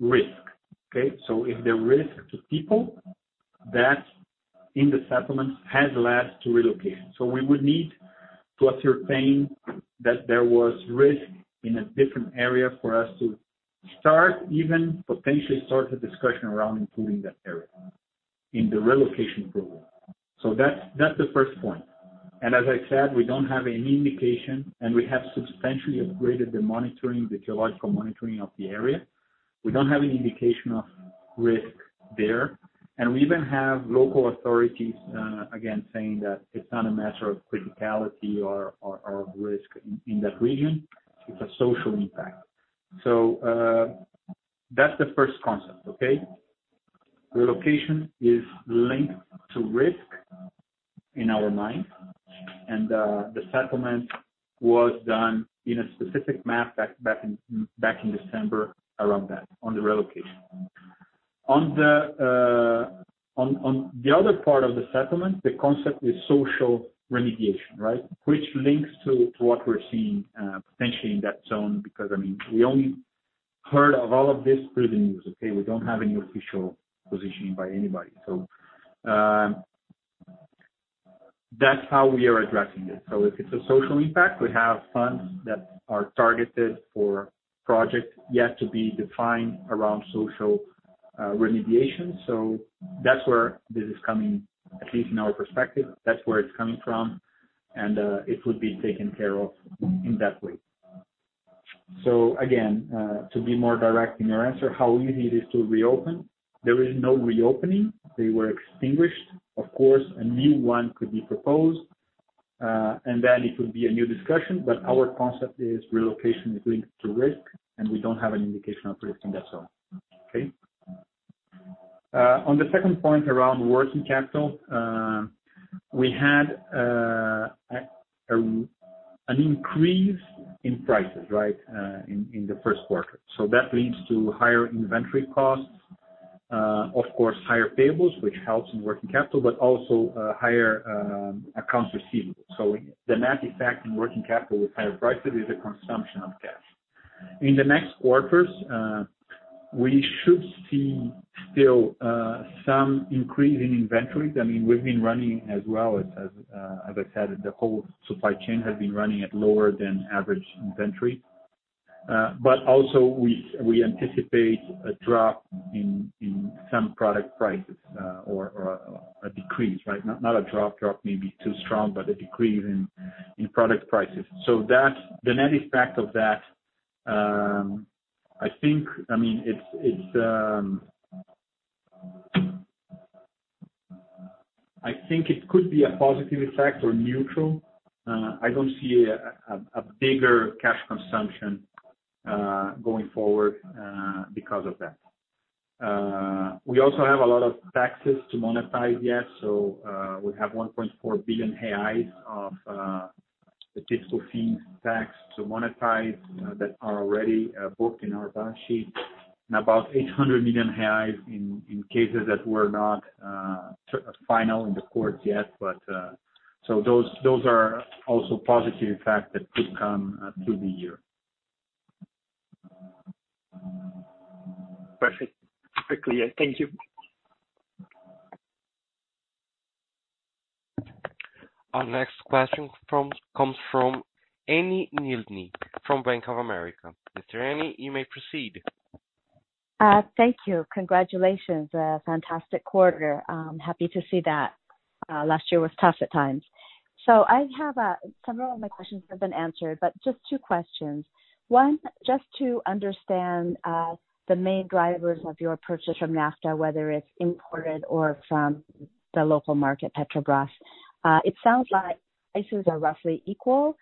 risk, okay? If the risk to people that in the settlement has led to relocation. We would need to ascertain that there was risk in a different area for us to even potentially start a discussion around including that area in the relocation program. That's the first point. As I said, we don't have any indication, and we have substantially upgraded the geological monitoring of the area. We don't have any indication of risk there. We even have local authorities, again, saying that it's not a matter of criticality or of risk in that region, it's a social impact. That's the first concept, okay? Relocation is linked to risk in our mind. The settlement was done in a specific map back in December around that, on the relocation. On the other part of the settlement, the concept is social remediation, right? Which links to what we're seeing potentially in that zone, because we only heard of all of this through the news, okay? We don't have any official positioning by anybody. That's how we are addressing this. If it's a social impact, we have funds that are targeted for projects yet to be defined around social remediation. That's where this is coming, at least in our perspective, that's where it's coming from. It would be taken care of in that way. Again, to be more direct in your answer, how easy it is to reopen, there is no reopening. They were extinguished. Of course, a new one could be proposed, and then it would be a new discussion. Our concept is relocation is linked to risk, and we don't have an indication of risk in that zone. Okay? On the second point around working capital. We had an increase in prices, right, in the first quarter. That leads to higher inventory costs, of course higher payables, which helps in working capital, but also higher accounts receivable. The net effect in working capital with higher prices is a consumption of cash. In the next quarters, we should see still some increase in inventories. We've been running as well, as I said, the whole supply chain has been running at lower than average inventory. Also we anticipate a drop in some product prices or a decrease. Not a drop may be too strong, but a decrease in product prices. The net effect of that, I think it could be a positive effect or neutral. I don't see a bigger cash consumption going forward because of that. We also have a lot of taxes to monetize yet. We have 1.4 billion reais of the fiscal tax credits to monetize that are already booked in our balance sheet. About 800 million reais in cases that were not final in the courts yet. Those are also positive effects that could come through the year. Perfect. Quickly. Thank you. Our next question comes from Anne Milne from Bank of America. Mr. Anne, you may proceed. Thank you. Congratulations. A fantastic quarter. Happy to see that. Last year was tough at times. Some of my questions have been answered, but just two questions. One, just to understand the main drivers of your purchase from naphtha, whether it's imported or from the local market, Petrobras. It sounds like prices are roughly equal.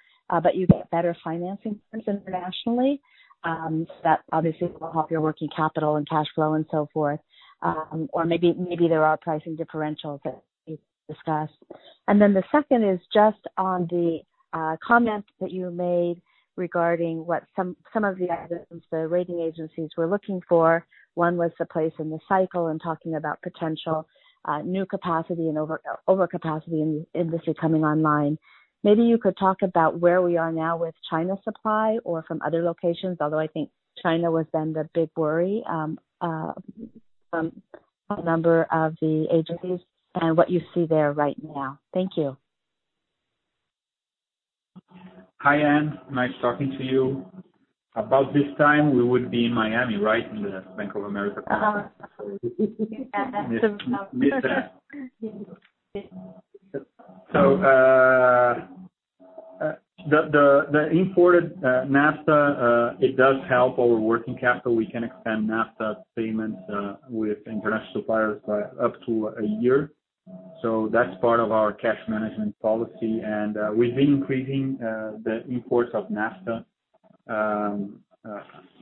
You get better financing terms internationally. That obviously will help your working capital and cash flow and so forth. Maybe there are pricing differentials that you discussed. Then the second is just on the comment that you made regarding what some of the items the rating agencies were looking for. One was the place in the cycle and talking about potential new capacity and overcapacity in the industry coming online. Maybe you could talk about where we are now with China supply or from other locations, although I think China was then the big worry from a number of the agencies and what you see there right now. Thank you. Hi, Anne. Nice talking to you. About this time, we would be in Miami, right, in the Bank of America conference. *crosstalk* The imported naphtha it does help our working capital. We can extend naphtha payments with international suppliers by up to a year. that's part of our cash management policy. we've been increasing the imports of naphtha.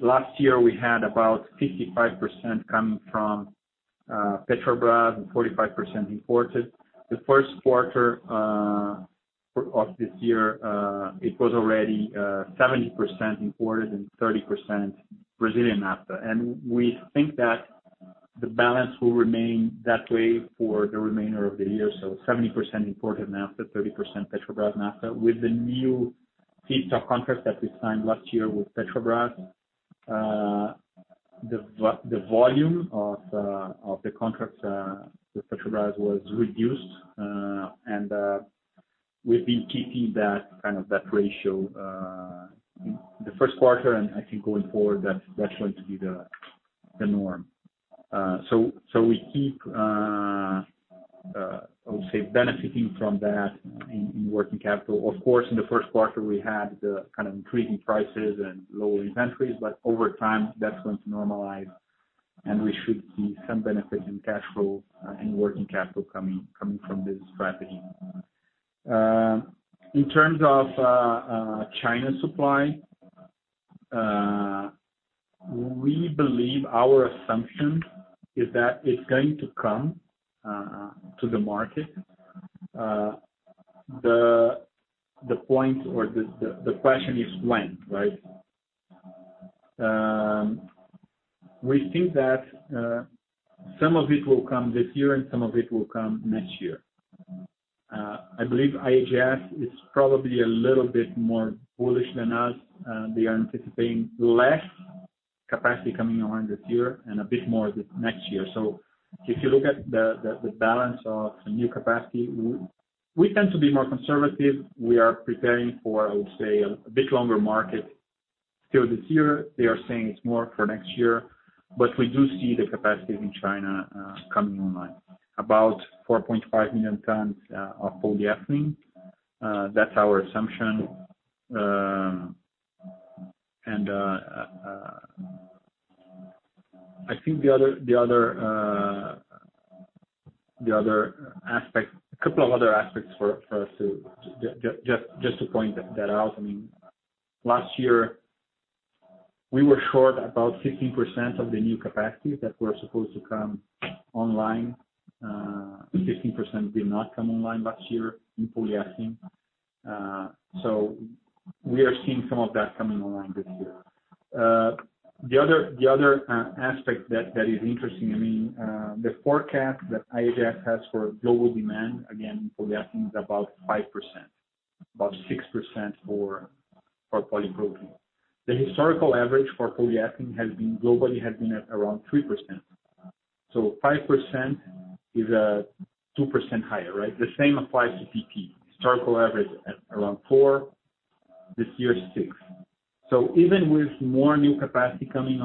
Last year we had about 55% coming from Petrobras and 45% imported. The first quarter of this year it was already 70% imported and 30% Brazilian naphtha. we think that the balance will remain that way for the remainder of the year. 70% imported naphtha, 30% Petrobras naphtha. With the new feedstock contract that we signed last year with Petrobras. The volume of the contracts with Petrobras was reduced. we've been keeping that kind of that ratio the first quarter. I think going forward, that's going to be the norm. we keep, I would say, benefiting from that in working capital. Of course, in the first quarter, we had the kind of increasing prices and lower inventories, but over time that's going to normalize, and we should see some benefit in cash flow and working capital coming from this strategy. In terms of China supply, we believe our assumption is that it's going to come to the market. The point or the question is when, right? We think that some of it will come this year and some of it will come next year. I believe IHS is probably a little bit more bullish than us. They are anticipating less capacity coming online this year and a bit more this next year. If you look at the balance of the new capacity, we tend to be more conservative. We are preparing for, I would say, a bit longer market. Still this year, they are saying it's more for next year, but we do see the capacity in China coming online. About 4.5 million tons of polyethylene. That's our assumption. I think a couple of other aspects for us, just to point that out. Last year, we were short about 15% of the new capacity that were supposed to come online. 15% did not come online last year in polyethylene. We are seeing some of that coming online this year. The other aspect that is interesting, the forecast that IHS has for global demand, again, in polyethylene is about 5%, about 6% for polypropylene. The historical average for polyethylene globally has been at around 3%. 5% is 2% higher, right? The same applies to PP. Historical average at around four, this year it's six. Even with more new capacity coming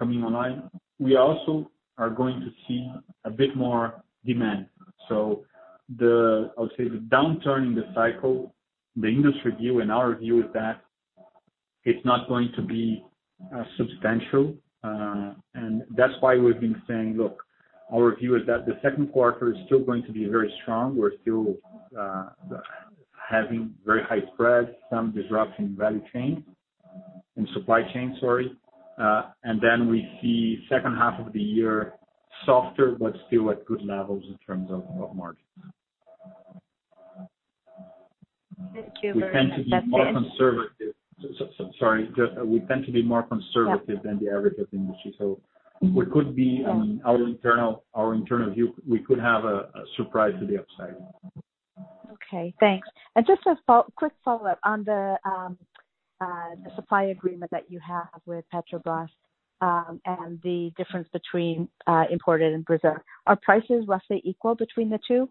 online, we also are going to see a bit more demand. I would say, the downturn in the cycle, the industry view and our view is that it's not going to be substantial. That's why we've been saying, look, our view is that the second quarter is still going to be very strong. We're still having very high spreads, some disruption in supply chain. We see second half of the year softer, but still at good levels in terms of margins. Thank you very much. That's the end. Sorry. We tend to be more conservative- Yeah than the average of the industry. Our internal view, we could have a surprise to the upside. Okay, thanks. Just a quick follow-up on the supply agreement that you have with Petrobras, and the difference between imported and Brazil. Are prices roughly equal between the two?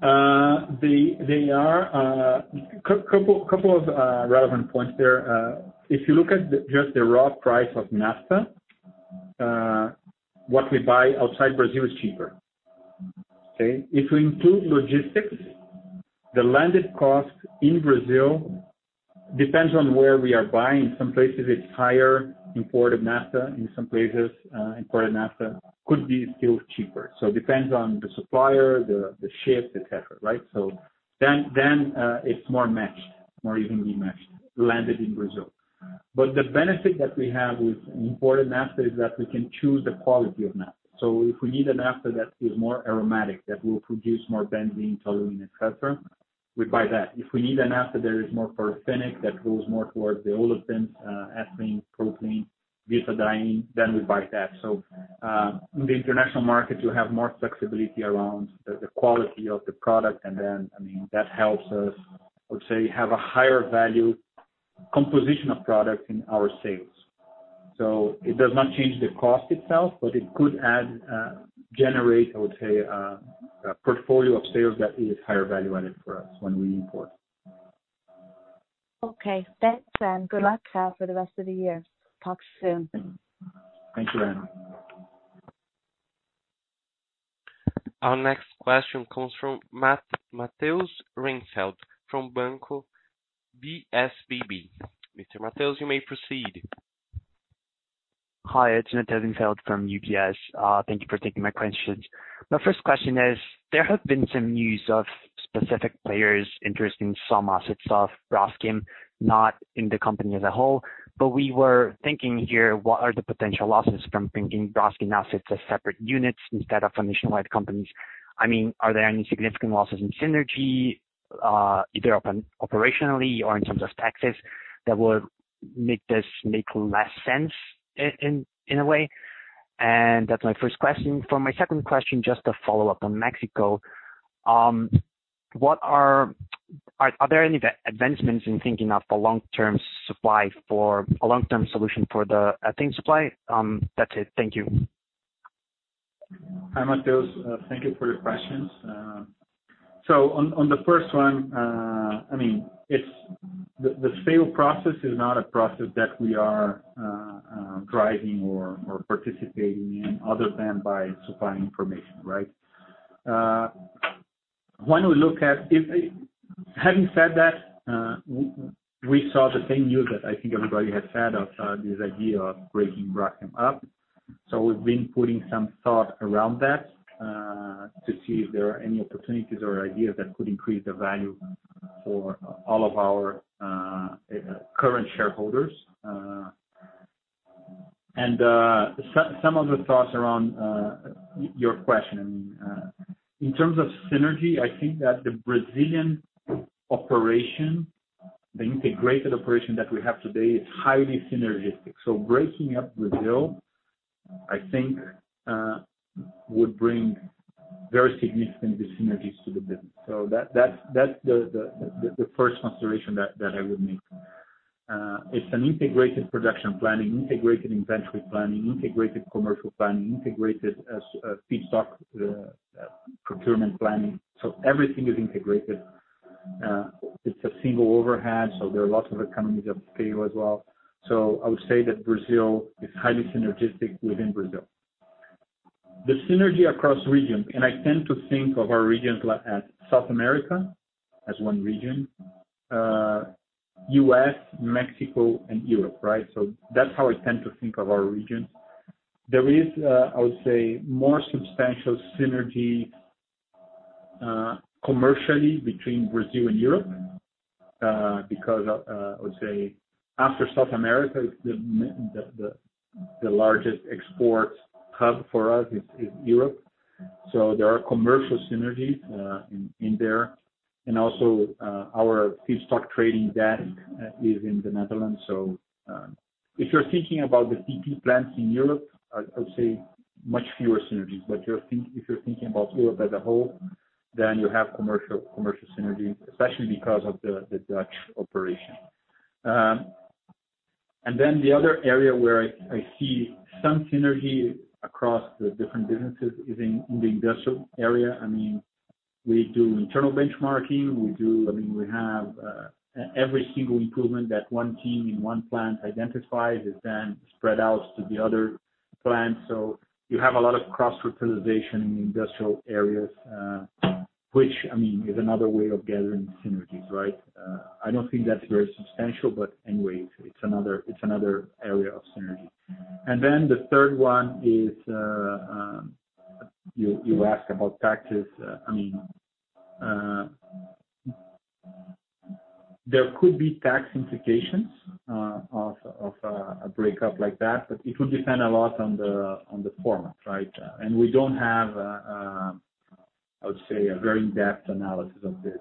They are. Couple of relevant points there. If you look at just the raw price of naphtha, what we buy outside Brazil is cheaper. Okay? If we include logistics, the landed cost in Brazil depends on where we are buying. Some places it's higher imported naphtha. In some places, imported naphtha could be still cheaper. It depends on the supplier, the ship, et cetera, right? It's more matched, more evenly matched, landed in Brazil. The benefit that we have with imported naphtha is that we can choose the quality of naphtha. If we need a naphtha that is more aromatic, that will produce more benzene, toluene, et cetera, we buy that. If we need a naphtha that is more paraffinic, that goes more towards the olefins, ethylene, propylene, butadiene, then we buy that. in the international market, you have more flexibility around the quality of the product. that helps us, I would say, have a higher value composition of product in our sales. it does not change the cost itself, but it could generate, I would say, a portfolio of sales that is higher value added for us when we import. Okay. Thanks, and good luck for the rest of the year. Talk soon. Thank you. Our next question comes from [Matheus Pacheco from Banco VSBB.] [Mr. Matheus], you may proceed. Hi, it's [Matheus Pacheco] from UBS. Thank you for taking my questions. My first question is, there have been some news of specific players interest in some assets of Braskem, not in the company as a whole. We were thinking here, what are the potential losses from thinking Braskem now sits as separate units instead of nation-wide companies? Are there any significant losses in synergy, either operationally or in terms of taxes, that would make this make less sense in a way? That's my first question. For my second question, just a follow-up on Mexico. Are there any advancements in thinking of a long-term solution for the ethane supply? That's it. Thank you. Hi, [Matheus]. Thank you for the questions. On the first one, the sale process is not a process that we are driving or participating in other than by supplying information, right? Having said that, we saw the same news that I think everybody has had of this idea of breaking Braskem up. We've been putting some thought around that to see if there are any opportunities or ideas that could increase the value for all of our current shareholders. Some of the thoughts around your question. In terms of synergy, I think that the Brazilian operation, the integrated operation that we have today, is highly synergistic. Breaking up Brazil, I think, would bring very significant dyssynergies to the business. That's the first consideration that I would make. It's an integrated production planning, integrated inventory planning, integrated commercial planning, integrated feedstock procurement planning. Everything is integrated. It's a single overhead, so there are lots of economies of scale as well. I would say that Brazil is highly synergistic within Brazil. The synergy across regions, and I tend to think of our regions as South America as one region, U.S., Mexico, and Europe, right? That's how I tend to think of our regions. There is, I would say, more substantial synergy commercially between Brazil and Europe, because, I would say after South America, the largest export hub for us is Europe. There are commercial synergies in there. Our feedstock trading desk is in the Netherlands. If you're thinking about the PP plants in Europe, I would say much fewer synergies. If you're thinking about Europe as a whole, then you have commercial synergy, especially because of the Dutch operation. Then the other area where I see some synergy across the different businesses is in the industrial area. We do internal benchmarking. Every single improvement that one team in one plant identifies is then spread out to the other plants. You have a lot of cross-fertilization in the industrial areas, which is another way of gathering synergies, right? I don't think that's very substantial, but anyway, it's another area of synergy. Then the third one is, you asked about taxes. There could be tax implications of a breakup like that, but it would depend a lot on the format, right? We don't have, I would say, a very in-depth analysis of this.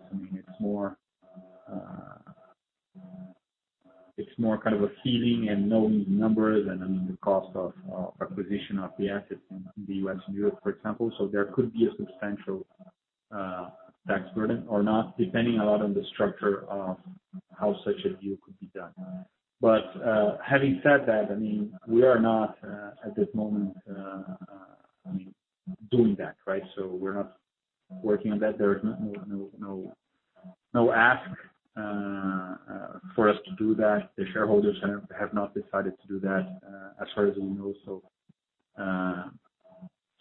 It's more kind of a feeling and knowing the numbers and the cost of acquisition of the assets in the U.S. and Europe, for example. There could be a substantial tax burden or not, depending a lot on the structure of how such a deal could be done. Having said that, we are not at this moment doing that, right. We're not working on that. There is no ask for us to do that. The shareholders have not decided to do that, as far as we know.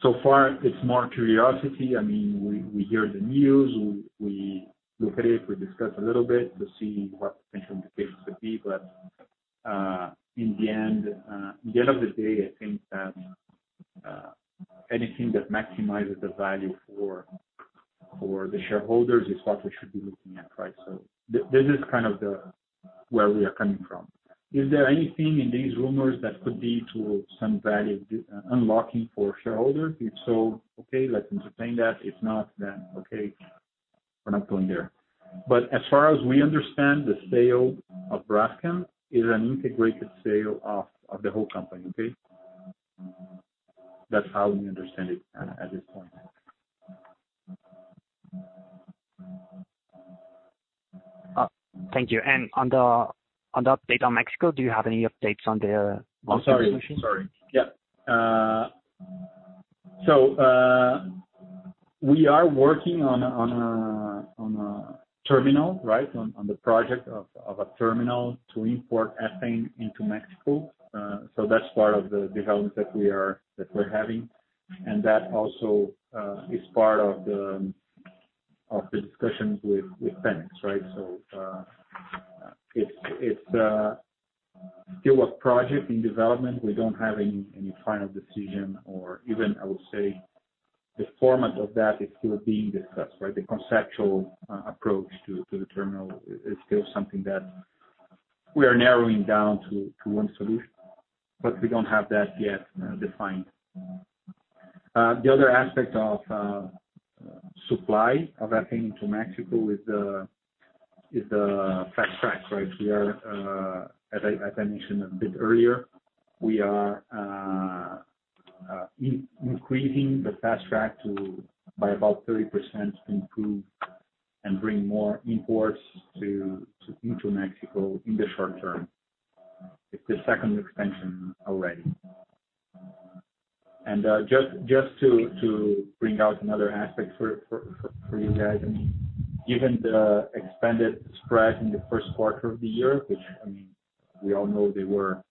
So far, it's more curiosity. We hear the news, we look at it, we discuss a little bit to see what potential implications could be. In the end of the day, I think that anything that maximizes the value for the shareholders is what we should be looking at, right. This is kind of where we are coming from. Is there anything in these rumors that could lead to some value unlocking for shareholders? If so, okay, let's entertain that. If not, then okay, we're not going there. As far as we understand, the sale of Braskem is an integrated sale of the whole company, okay? That's how we understand it at this point. Thank you. On the update on Mexico, do you have any updates on their? We are working on a terminal, right? On the project of a terminal to import ethane into Mexico. That also is part of the discussions with PEMEX, right? It's still a project in development. We don't have any final decision or even, I would say, the format of that is still being discussed, right? The conceptual approach to the terminal is still something that we are narrowing down to one solution, but we don't have that yet defined. The other aspect of supply of ethane into Mexico is the Fast Track, right? As I mentioned a bit earlier, we are increasing the Fast Track by about 30% to improve and bring more imports into Mexico in the short term. It's the second expansion already. Just to bring out another aspect for you guys. Given the expanded spread in the first quarter of the year, which we all know they were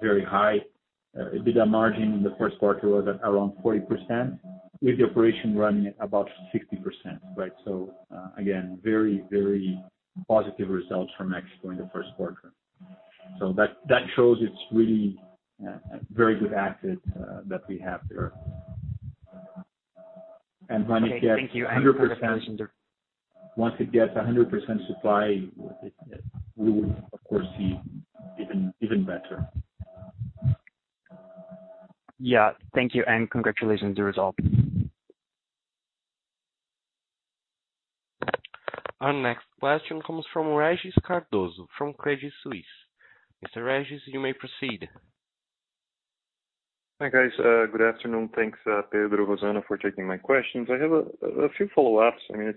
very high. EBITDA margin in the first quarter was at around 40%, with the operation running at about 60%, right? Again, very positive results from Mexico in the first quarter. That shows it's really a very good asset that we have there. Okay, thank you. Congratulations. Once it gets 100% supply, we will of course see even better. Yeah. Thank you, and congratulations on the result. Our next question comes from Regis Cardoso from Credit Suisse. Mr. Regis, you may proceed. Hi, guys. Good afternoon. Thanks, Pedro, Rosana, for taking my questions. I have a few follow-ups. If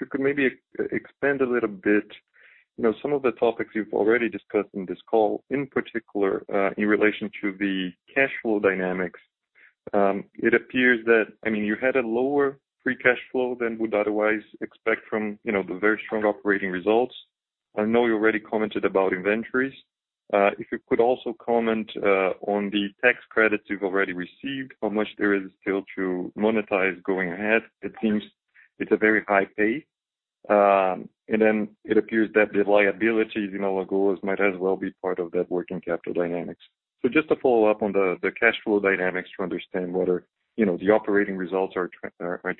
you could maybe expand a little bit. Some of the topics you've already discussed in this call, in particular, in relation to the cash flow dynamics. It appears that you had a lower free cash flow than we'd otherwise expect from the very strong operating results. I know you already commented about inventories. If you could also comment on the tax credits you've already received, how much there is still to monetize going ahead. It seems it's a very high pay. It appears that the liabilities in Alagoas might as well be part of that working capital dynamics. Just to follow up on the cash flow dynamics to understand whether the operating results are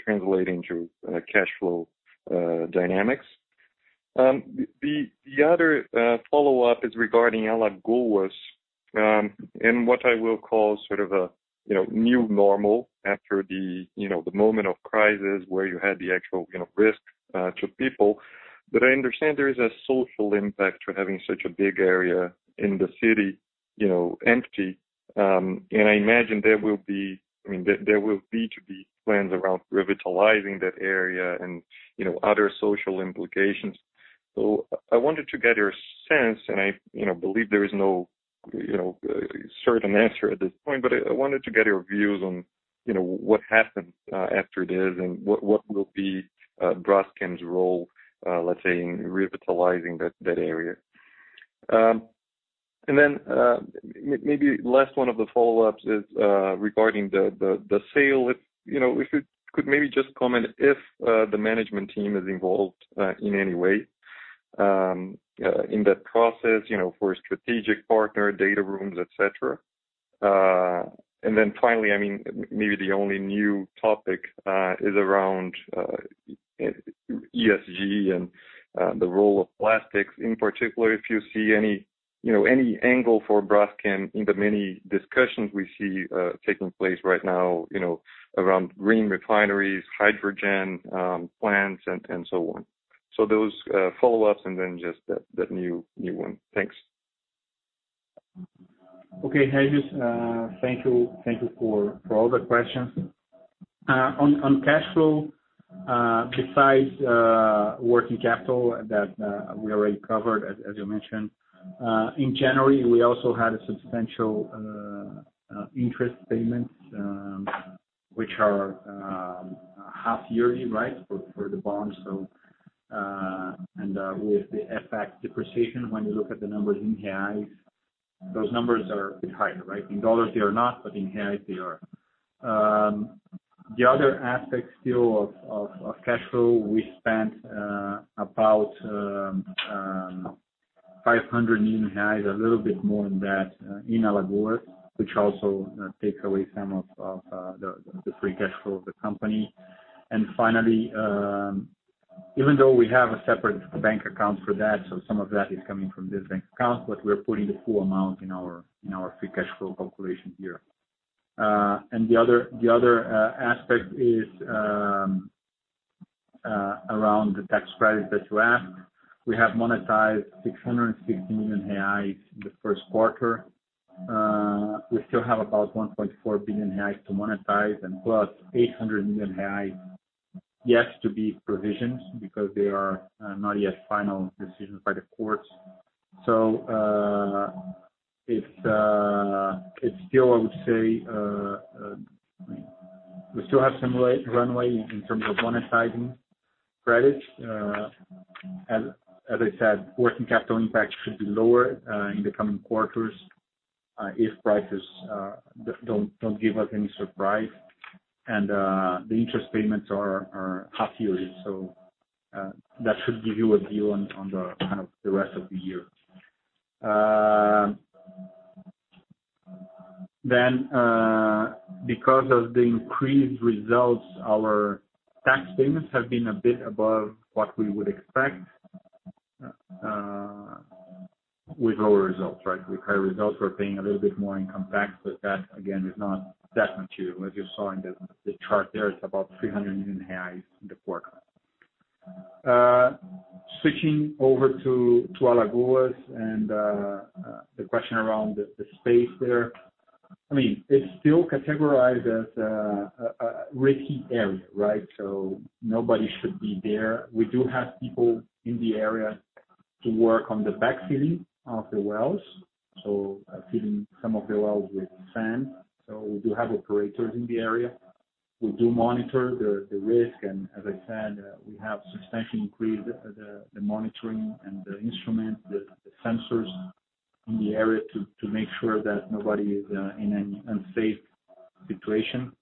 translating to cash flow dynamics. The other follow-up is regarding Alagoas, and what I will call sort of a new normal after the moment of crisis where you had the actual risk to people. I understand there is a social impact to having such a big area in the city empty. I imagine there will be to-be plans around revitalizing that area and other social implications. I wanted to get your sense, and I believe there is no certain answer at this point, but I wanted to get your views on what happens after this and what will be Braskem's role, let's say, in revitalizing that area. Then, maybe last one of the follow-ups is regarding the sale. If you could maybe just comment if the management team is involved in any way in that process for a strategic partner, data rooms, et cetera. Finally, maybe the only new topic is around ESG and the role of plastics. In particular, if you see any angle for Braskem in the many discussions we see taking place right now around green refineries, hydrogen plants, and so on. Those follow-ups and then just that new one. Thanks. Okay, Regis. Thank you for all the questions. On cash flow, besides working capital that we already covered, as you mentioned. In January, we also had substantial interest payments, which are half yearly for the bonds. With the FX depreciation, when you look at the numbers in BRL, those numbers are a bit higher, right? In dollars they are not, but in reais, they are. The other aspect still of cash flow, we spent about 500 million reais, a little bit more than that in Alagoas, which also takes away some of the free cash flow of the company. Finally, even though we have a separate bank account for that, so some of that is coming from this bank account, but we're putting the full amount in our free cash flow calculation here. The other aspect is around the tax credit that you asked. We have monetized 660 million reais in the first quarter. We still have about 1.4 billion reais to monetize plus 800 million reais yet to be provisioned because they are not yet final decisions by the courts. It's still, I would say, we still have some runway in terms of monetizing credits. As I said, working capital impact should be lower in the coming quarters if prices don't give us any surprise. The interest payments are half yearly, that should give you a view on the kind of the rest of the year. Because of the increased results, our tax payments have been a bit above what we would expect with lower results, right? With higher results, we're paying a little bit more in income tax, that again, is not that material. As you saw in the chart there, it's about 300 million in the quarter. Switching over to Alagoas and the question around the space there. It's still categorized as a risky area, right? Nobody should be there. We do have people in the area to work on the backfilling of the wells, so filling some of the wells with sand. We do have operators in the area. We do monitor the risk, and as I said, we have substantially increased the monitoring and the instrument, the sensors in the area to make sure that nobody is in an unsafe situation.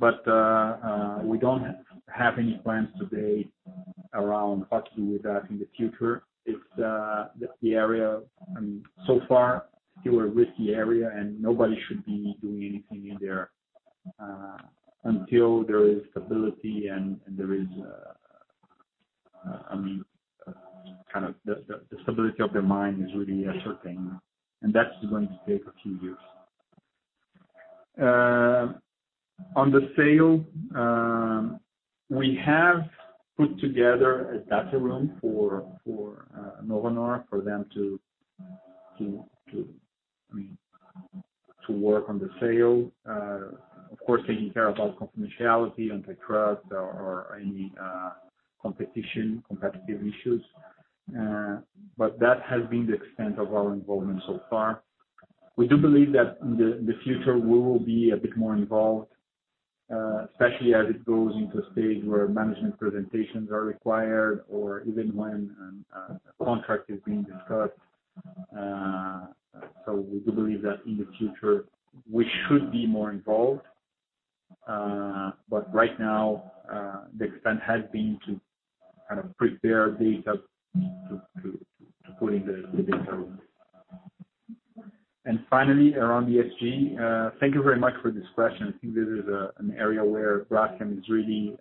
We don't have any plans today around what to do with that in the future. The area, so far, still a risky area and nobody should be doing anything in there until there is stability and there is kind of the stability of the mine is really a sure thing. That's going to take a few years. On the sale, we have put together a data room for Novonor for them to work on the sale. Of course, taking care about confidentiality, antitrust, or any competition, competitive issues. That has been the extent of our involvement so far. We do believe that in the future, we will be a bit more involved, especially as it goes into a stage where management presentations are required or even when a contract is being discussed. We do believe that in the future, we should be more involved. Right now, the extent has been to kind of prepare data to put in the data room. Finally, around ESG. Thank you very much for this question. I think this is an area where Braskem is really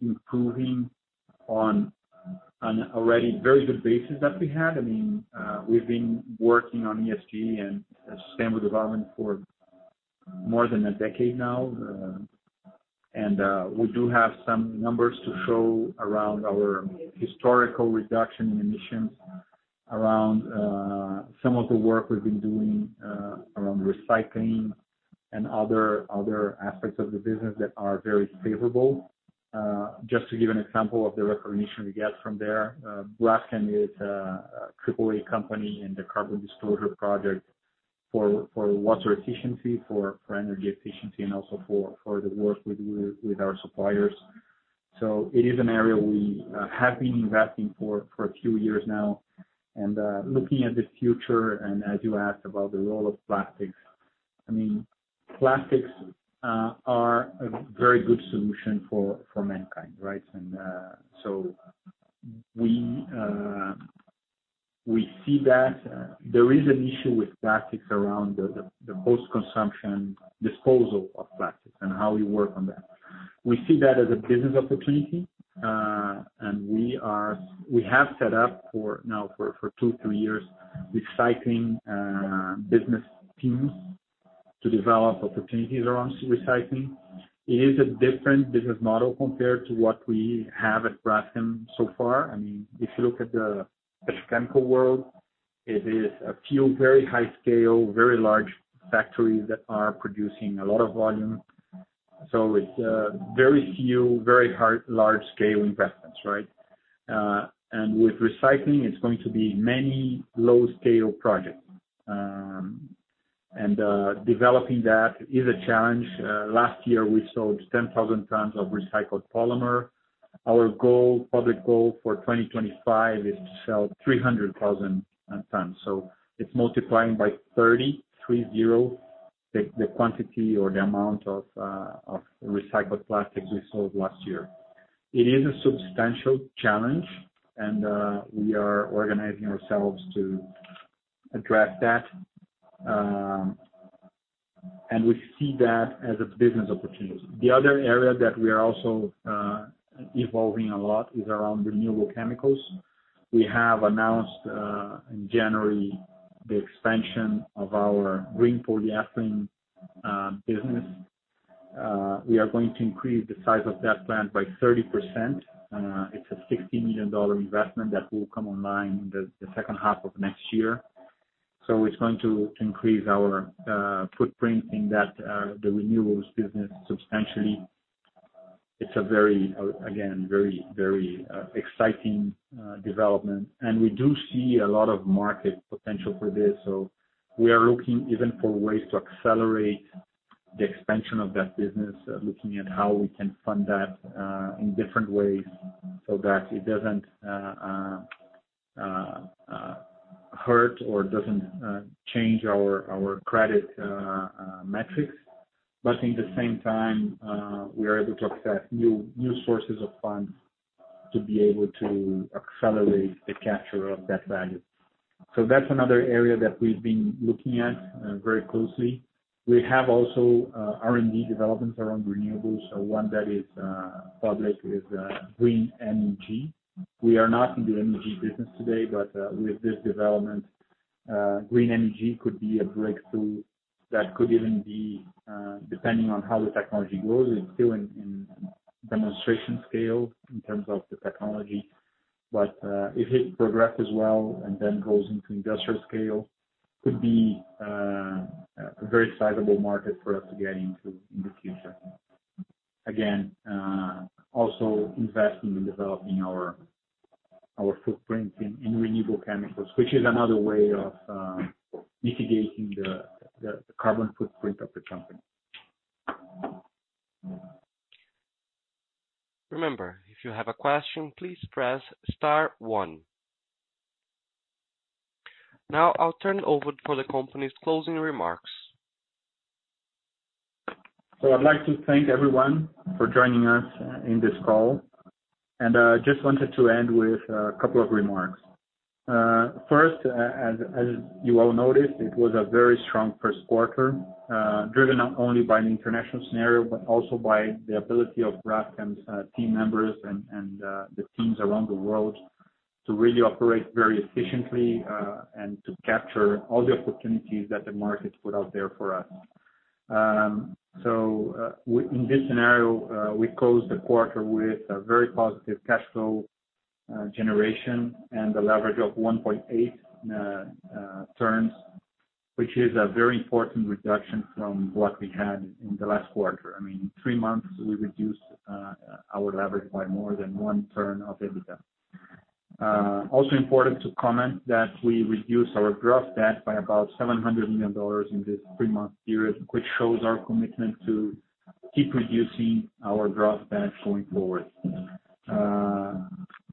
improving on an already very good basis that we had. We've been working on ESG and sustainable development for more than a decade now. We do have some numbers to show around our historical reduction in emissions, around some of the work we've been doing around recycling and other aspects of the business that are very favorable. Just to give an example of the recognition we get from there. Braskem is a AAA company in the Carbon Disclosure Project for water efficiency, for energy efficiency, and also for the work with our suppliers. It is an area we have been investing for a few years now. Looking at the future, and as you asked about the role of plastics. Plastics are a very good solution for mankind, right? We see that there is an issue with plastics around the post-consumption disposal of plastics and how we work on that. We see that as a business opportunity, and we have set up for now, for two, three years, recycling business teams to develop opportunities around recycling. It is a different business model compared to what we have at Braskem so far. If you look at the petrochemical world, it is a few very high scale, very large factories that are producing a lot of volume. It's very few, very large scale investments, right? With recycling, it's going to be many low scale projects. Developing that is a challenge. Last year, we sold 10,000 tons of recycled polymer. Our public goal for 2025 is to sell 300,000 tons. It's multiplying by 30, three zero, the quantity or the amount of recycled plastics we sold last year. It is a substantial challenge, and we are organizing ourselves to address that. We see that as a business opportunity. The other area that we are also evolving a lot is around renewable chemicals. We have announced in January the expansion of our Green Polyethylene business. We are going to increase the size of that plant by 30%. It's a $60 million investment that will come online in the second half of next year. It's going to increase our footprint in the renewables business substantially. It's a very, again, very exciting development. We do see a lot of market potential for this. We are looking even for ways to accelerate the expansion of that business, looking at how we can fund that in different ways so that it doesn't hurt or doesn't change our credit metrics. At the same time, we are able to access new sources of funds to be able to accelerate the capture of that value. That's another area that we've been looking at very closely. We have also R&D developments around renewables. One that is public is green energy. We are not in the energy business today, but with this development, green energy could be a breakthrough that could even be, depending on how the technology grows, it's still in demonstration scale in terms of the technology. If it progresses well and then goes into industrial scale, could be a very sizable market for us to get into in the future. Also investing in developing our footprint in renewable chemicals, which is another way of mitigating the carbon footprint of the company. Remember, if you have a question, please press star one. Now I'll turn it over for the company's closing remarks. I'd like to thank everyone for joining us in this call, and I just wanted to end with a couple of remarks. First, as you all noticed, it was a very strong first quarter, driven not only by the international scenario, but also by the ability of Braskem's team members and the teams around the world to really operate very efficiently and to capture all the opportunities that the market put out there for us. In this scenario, we closed the quarter with a very positive cash flow generation and a leverage of 1.8 turns, which is a very important reduction from what we had in the last quarter. I mean, three months, we reduced our leverage by more than one turn of EBITDA. Also important to comment that we reduced our gross debt by about $700 million in this three-month period, which shows our commitment to keep reducing our gross debt going forward.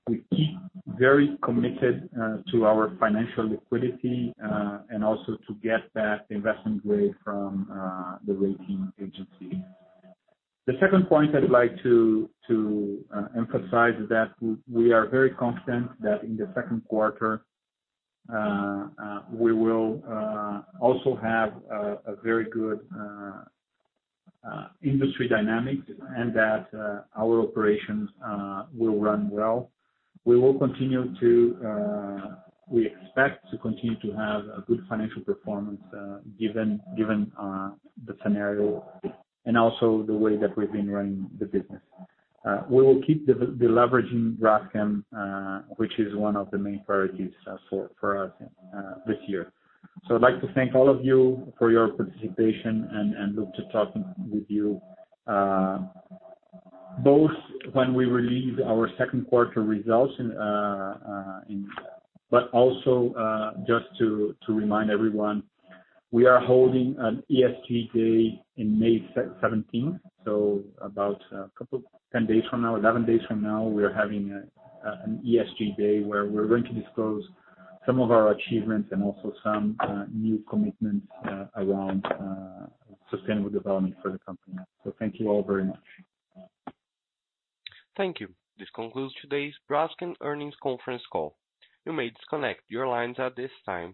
We keep very committed to our financial liquidity and also to get that investment grade from the rating agency. The second point I'd like to emphasize is that we are very confident that in the second quarter, we will also have a very good industry dynamic and that our operations will run well. We expect to continue to have a good financial performance given the scenario and also the way that we've been running the business. We will keep deleveraging Braskem, which is one of the main priorities for us this year. I'd like to thank all of you for your participation and look to talking with you both when we release our second quarter results, but also just to remind everyone, we are holding an ESG Day in May 17th. About 10 days from now, 11 days from now, we are having an ESG Day where we're going to disclose some of our achievements and also some new commitments around sustainable development for the company. Thank you all very much. Thank you. This concludes today's Braskem earnings conference call. You may disconnect your lines at this time.